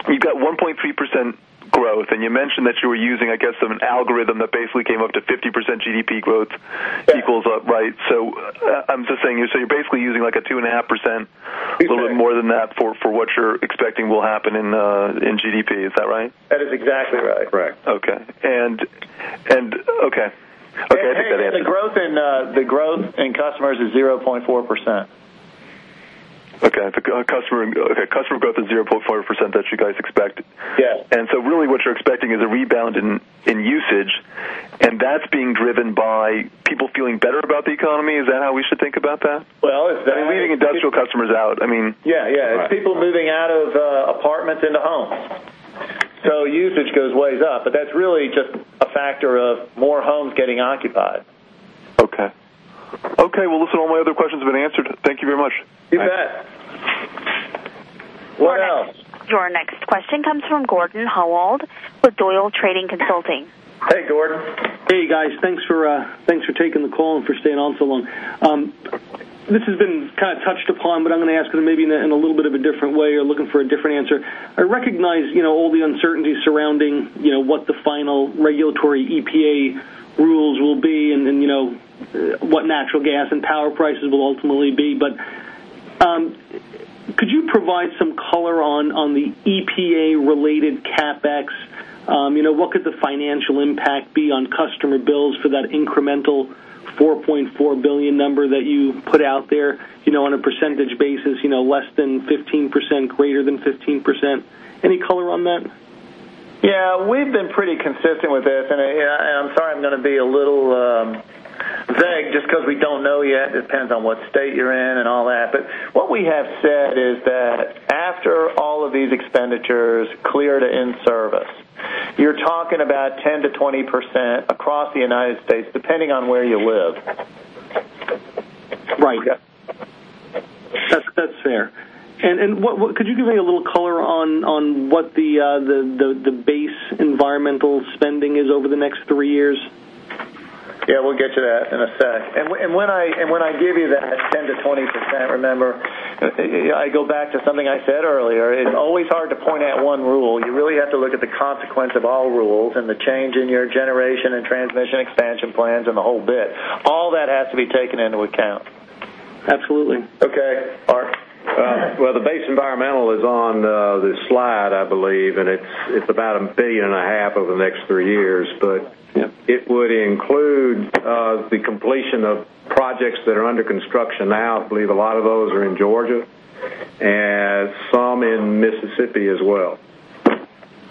You've got 1.3% growth. You mentioned that you were using, I guess, some algorithm that basically came up to 50% GDP growth equals up, right? I'm just saying here, you're basically using like a 2.5%, a little bit more than that for what you're expecting will happen in GDP. Is that right? That is exactly right. Right. Okay. I think that answers. The growth in customers is 0.4%. Okay, customer growth is 0.4% that you guys expect. Yes. What you're expecting is a rebound in usage, and that's being driven by people feeling better about the economy. Is that how we should think about that? It’s definitely. I mean, leaving industrial customers out, I mean. Yeah, yeah. It's people moving out of apartments into homes, so usage goes way up. That's really just a factor of more homes getting occupied. Okay. All my other questions have been answered. Thank you very much. You bet. What else? Our next question comes from Gordon Howald with Doyle Trading Consulting. Hey, Gordon. Hey, guys. Thanks for taking the call and for staying on so long. This has been kind of touched upon, but I'm going to ask it maybe in a little bit of a different way or looking for a different answer. I recognize, you know, all the uncertainty surrounding, you know, what the final regulatory EPA rules will be and, you know, what natural gas and power prices will ultimately be. Could you provide some color on the EPA-related CapEx? What could the financial impact be on customer bills for that incremental $4.4 billion number that you put out there, on a percentage basis, less than 15%, greater than 15%? Any color on that? Yeah, we've been pretty consistent with this. I'm sorry, I'm going to be a little vague just because we don't know yet. It depends on what state you're in and all that. What we have said is that after all of these expenditures clear to in-service, you're talking about 10%-20% across the United States, depending on where you live. Right. That's fair. Could you give me a little color on what the base environmental spending is over the next three years? Yeah, we'll get to that in a sec. When I give you that 10%-20%, remember, I go back to something I said earlier. It's always hard to point out one rule. You really have to look at the consequence of all rules and the change in your generation and transmission expansion plans and the whole bit. All that has to be taken into account. Absolutely. Okay. All right. The base environmental is on this slide, I believe, and it's about $1.5 billion over the next three years. It would include the completion of projects that are under construction now. I believe a lot of those are in Georgia and some in Mississippi as well.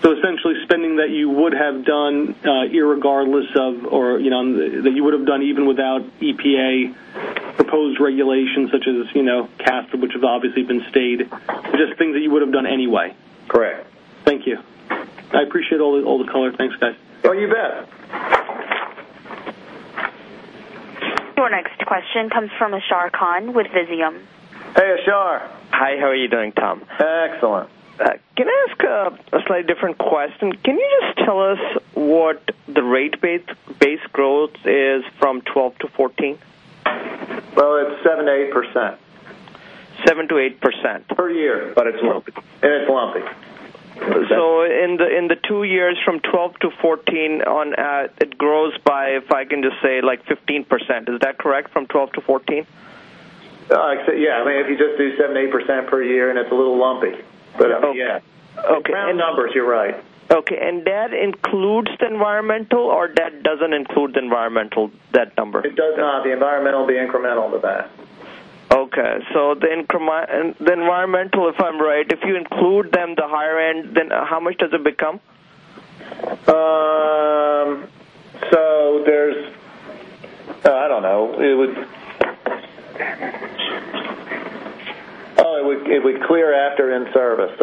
Essentially, spending that you would have done regardless of, or you know, that you would have done even without EPA proposed regulations such as CAF, which has obviously been stayed. Just things that you would have done anyway. Correct. Thank you. I appreciate all the color. Thanks, guys. Oh, you bet. Our next question comes from Ashar Khan with Visium. Hey, Ashar. Hi, how are you doing, Tom? Excellent. Can I ask a slightly different question? Can you just tell us what the rate-based growth is from 2012 to 2014? It’s 7%-8%. 7%-8%. Per year. It is lumpy. It is lumpy. In the two years from 2012 to 2014 on, it grows by, if I can just say, like 15%. Is that correct from 2012 to 2014? Yeah, I mean, if you just do 7%-8% per year, and it's a little lumpy, but yeah. Okay, in numbers, you're right. Okay. Does that include the environmental, or does that not include the environmental, that number? The environmental will be incremental to that. Okay. If the environmental, if I'm right, if you include them, the higher end, then how much does it become? I don't know. It would clear after in-service.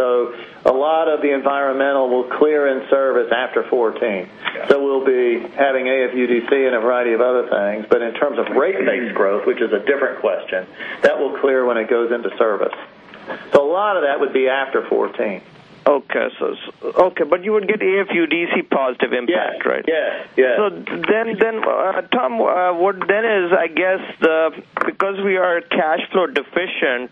A lot of the environmental will clear in-service after 2014. We will be having AFUDC and a variety of other things. In terms of rate-based growth, which is a different question, that will clear when it goes into service. A lot of that would be after 2014. Okay. You wouldn't get AFUDC positive impact, right? Yeah, yeah. Tom, what then is, I guess, because we are cash flow deficient,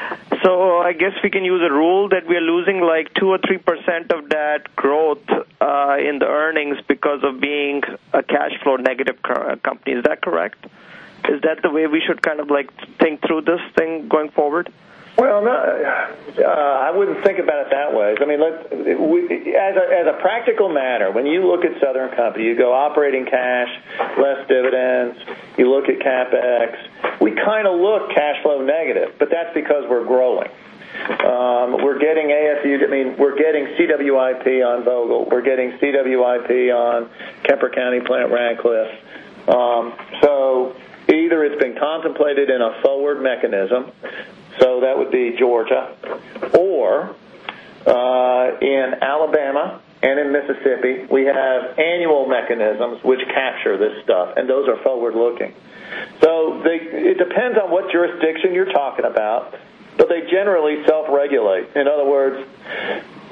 I guess we can use a rule that we are losing like 2% or 3% of that growth in the earnings because of being a cash flow negative company. Is that correct? Is that the way we should kind of like think through this thing going forward? I wouldn't think about it that way. I mean, as a practical matter, when you look at Southern Company, you go operating cash, less dividends, you look at CapEx, we kind of look cash flow negative, but that's because we're growing. We're getting AFU, I mean, we're getting CWIP on Vogtle. We're getting CWIP on Kemper County, Plant Ratcliffe. Either it's been contemplated in a forward mechanism, so that would be Georgia, or in Alabama and in Mississippi, we have annual mechanisms which capture this stuff, and those are forward-looking. It depends on what jurisdiction you're talking about, but they generally self-regulate. In other words,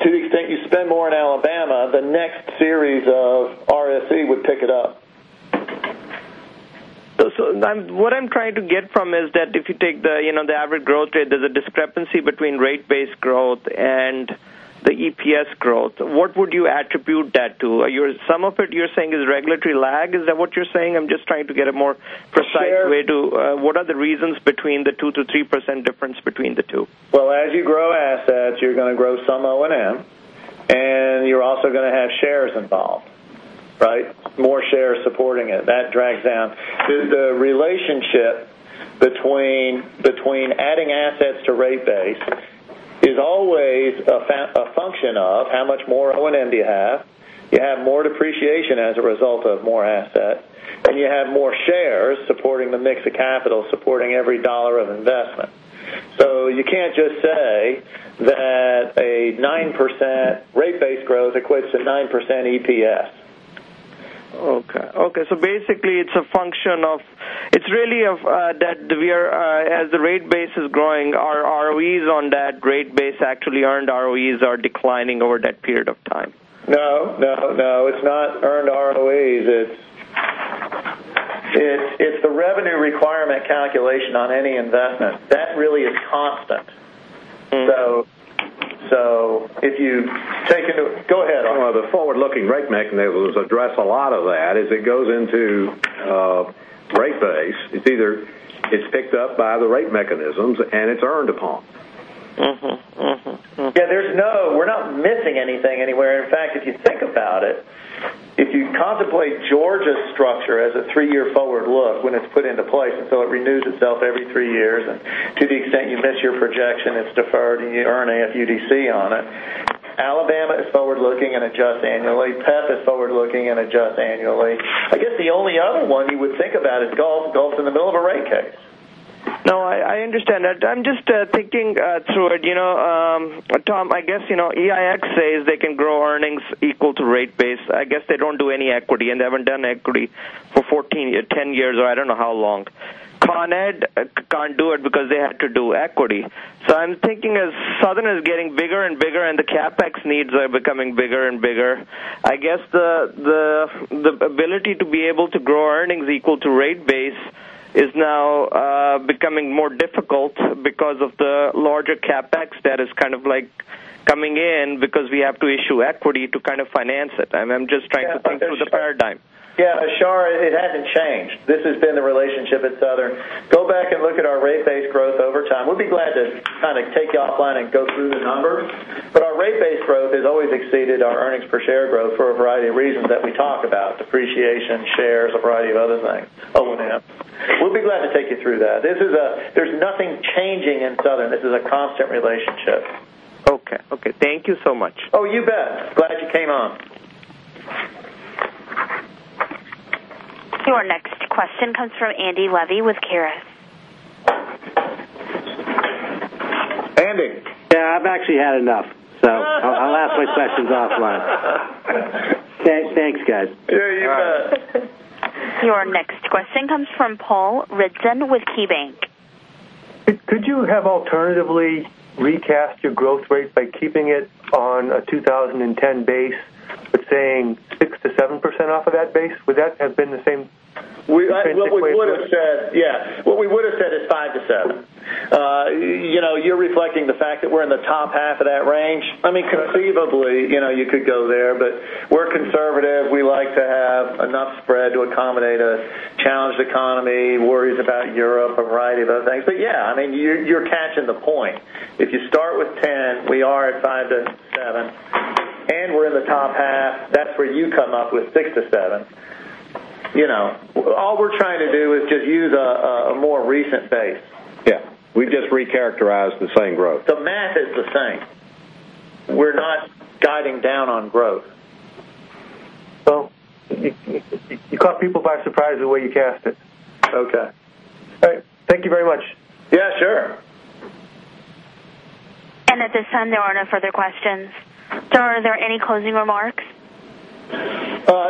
to the extent you spend more in Alabama, the next series of RSE would pick it up. What I'm trying to get from is that if you take the average growth rate, there's a discrepancy between rate-based growth and the EPS growth. What would you attribute that to? Some of it you're saying is regulatory lag. Is that what you're saying? I'm just trying to get a more precise way to what are the reasons between the 2%-3% difference between the two? As you grow assets, you're going to grow some O&M, and you're also going to have shares involved, right? More shares supporting it. That drags down. The relationship between adding assets to rate base is always a function of how much more O&M do you have. You have more depreciation as a result of more assets, and you have more shares supporting the mix of capital supporting every dollar of investment. You can't just say that a 9% rate-based growth equates to 9% EPS. Okay. Basically, it's a function of, it's really that we are, as the rate base is growing, our ROEs on that rate base, actually earned ROEs, are declining over that period of time. No, no, no. It's not earned ROEs. It's the revenue requirement calculation on any investment. That really is constant. If you think, go ahead. The forward-looking rate mechanisms address a lot of that as it goes into rate base. It's either picked up by the rate mechanisms and it's earned upon. Yeah, there's no, we're not missing anything anywhere. In fact, if you think about it, if you contemplate Georgia's structure as a three-year forward look when it's put into place, it renews itself every three years, and to the extent you miss your projection, it's deferred and you earn AFUDC on it. Alabama is forward-looking and adjusts annually. PEP is forward-looking and adjusts annually. I guess the only other one you would think about is Gulf. Gulf's in the middle of a rate case. No, I understand that. I'm just thinking through it. You know, Tom, I guess, you know, EIX says they can grow earnings equal to rate base. I guess they don't do any equity and they haven't done equity for 14 years, 10 years, or I don't know how long. Con Ed can't do it because they had to do equity. I'm thinking as Southern is getting bigger and bigger and the CapEx needs are becoming bigger and bigger, I guess the ability to be able to grow earnings equal to rate base is now becoming more difficult because of the larger CapEx that is kind of like coming in because we have to issue equity to kind of finance it. I'm just trying to think through the paradigm. Yeah, Ashar, it hasn't changed. This has been the relationship at Southern Company. Go back and look at our rate-based growth over time. We'll be glad to kind of take you offline and go through the numbers. Our rate-based growth has always exceeded our earnings per share growth for a variety of reasons that we talk about: depreciation, shares, a variety of other things, O&M. We'll be glad to take you through that. There is nothing changing in Southern Company. This is a constant relationship. Okay. Thank you so much. Oh, you bet. Glad you came on. Our next question comes from Andrew Evans with UBS. Andy. Yeah, I've actually had enough. I'll ask my questions offline. Thanks, guys. Sure, you bet. Our next question comes from Paul Ridzon with KeyBank. Could you have alternatively recast your growth rate by keeping it on a 2010 base, but saying 6%-7% off of that base? Would that have been the same? I think what we would have said, yeah. What we would have said is 5%-7%. You're reflecting the fact that we're in the top half of that range. Conceivably, you could go there, but we're conservative. We like to have enough spread to accommodate a challenged economy, worries about Europe, a variety of other things. Yeah, you're catching the point. If you start with 10%, we are at 5%-7%, and we're in the top half, that's where you come up with 6%-7%. All we're trying to do is just use a more recent base. Yeah, we just recharacterize the same growth. The math is the same. We're not diving down on growth. You caught people by surprise the way you cast it. Okay. All right. Thank you very much. Yeah, sure. At this time, there are no further questions. Sir, are there any closing remarks?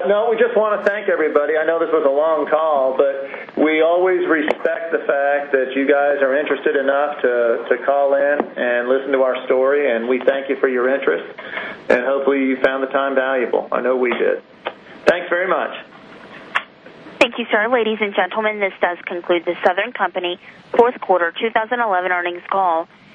No, we just want to thank everybody. I know this was a long call, but we always respect the fact that you guys are interested enough to call in and listen to our story, and we thank you for your interest. Hopefully, you found the time valuable. I know we did. Thanks very much. Thank you, sir. Ladies and gentlemen, this does conclude The Southern Company Fourth Quarter 2011 Earnings Call.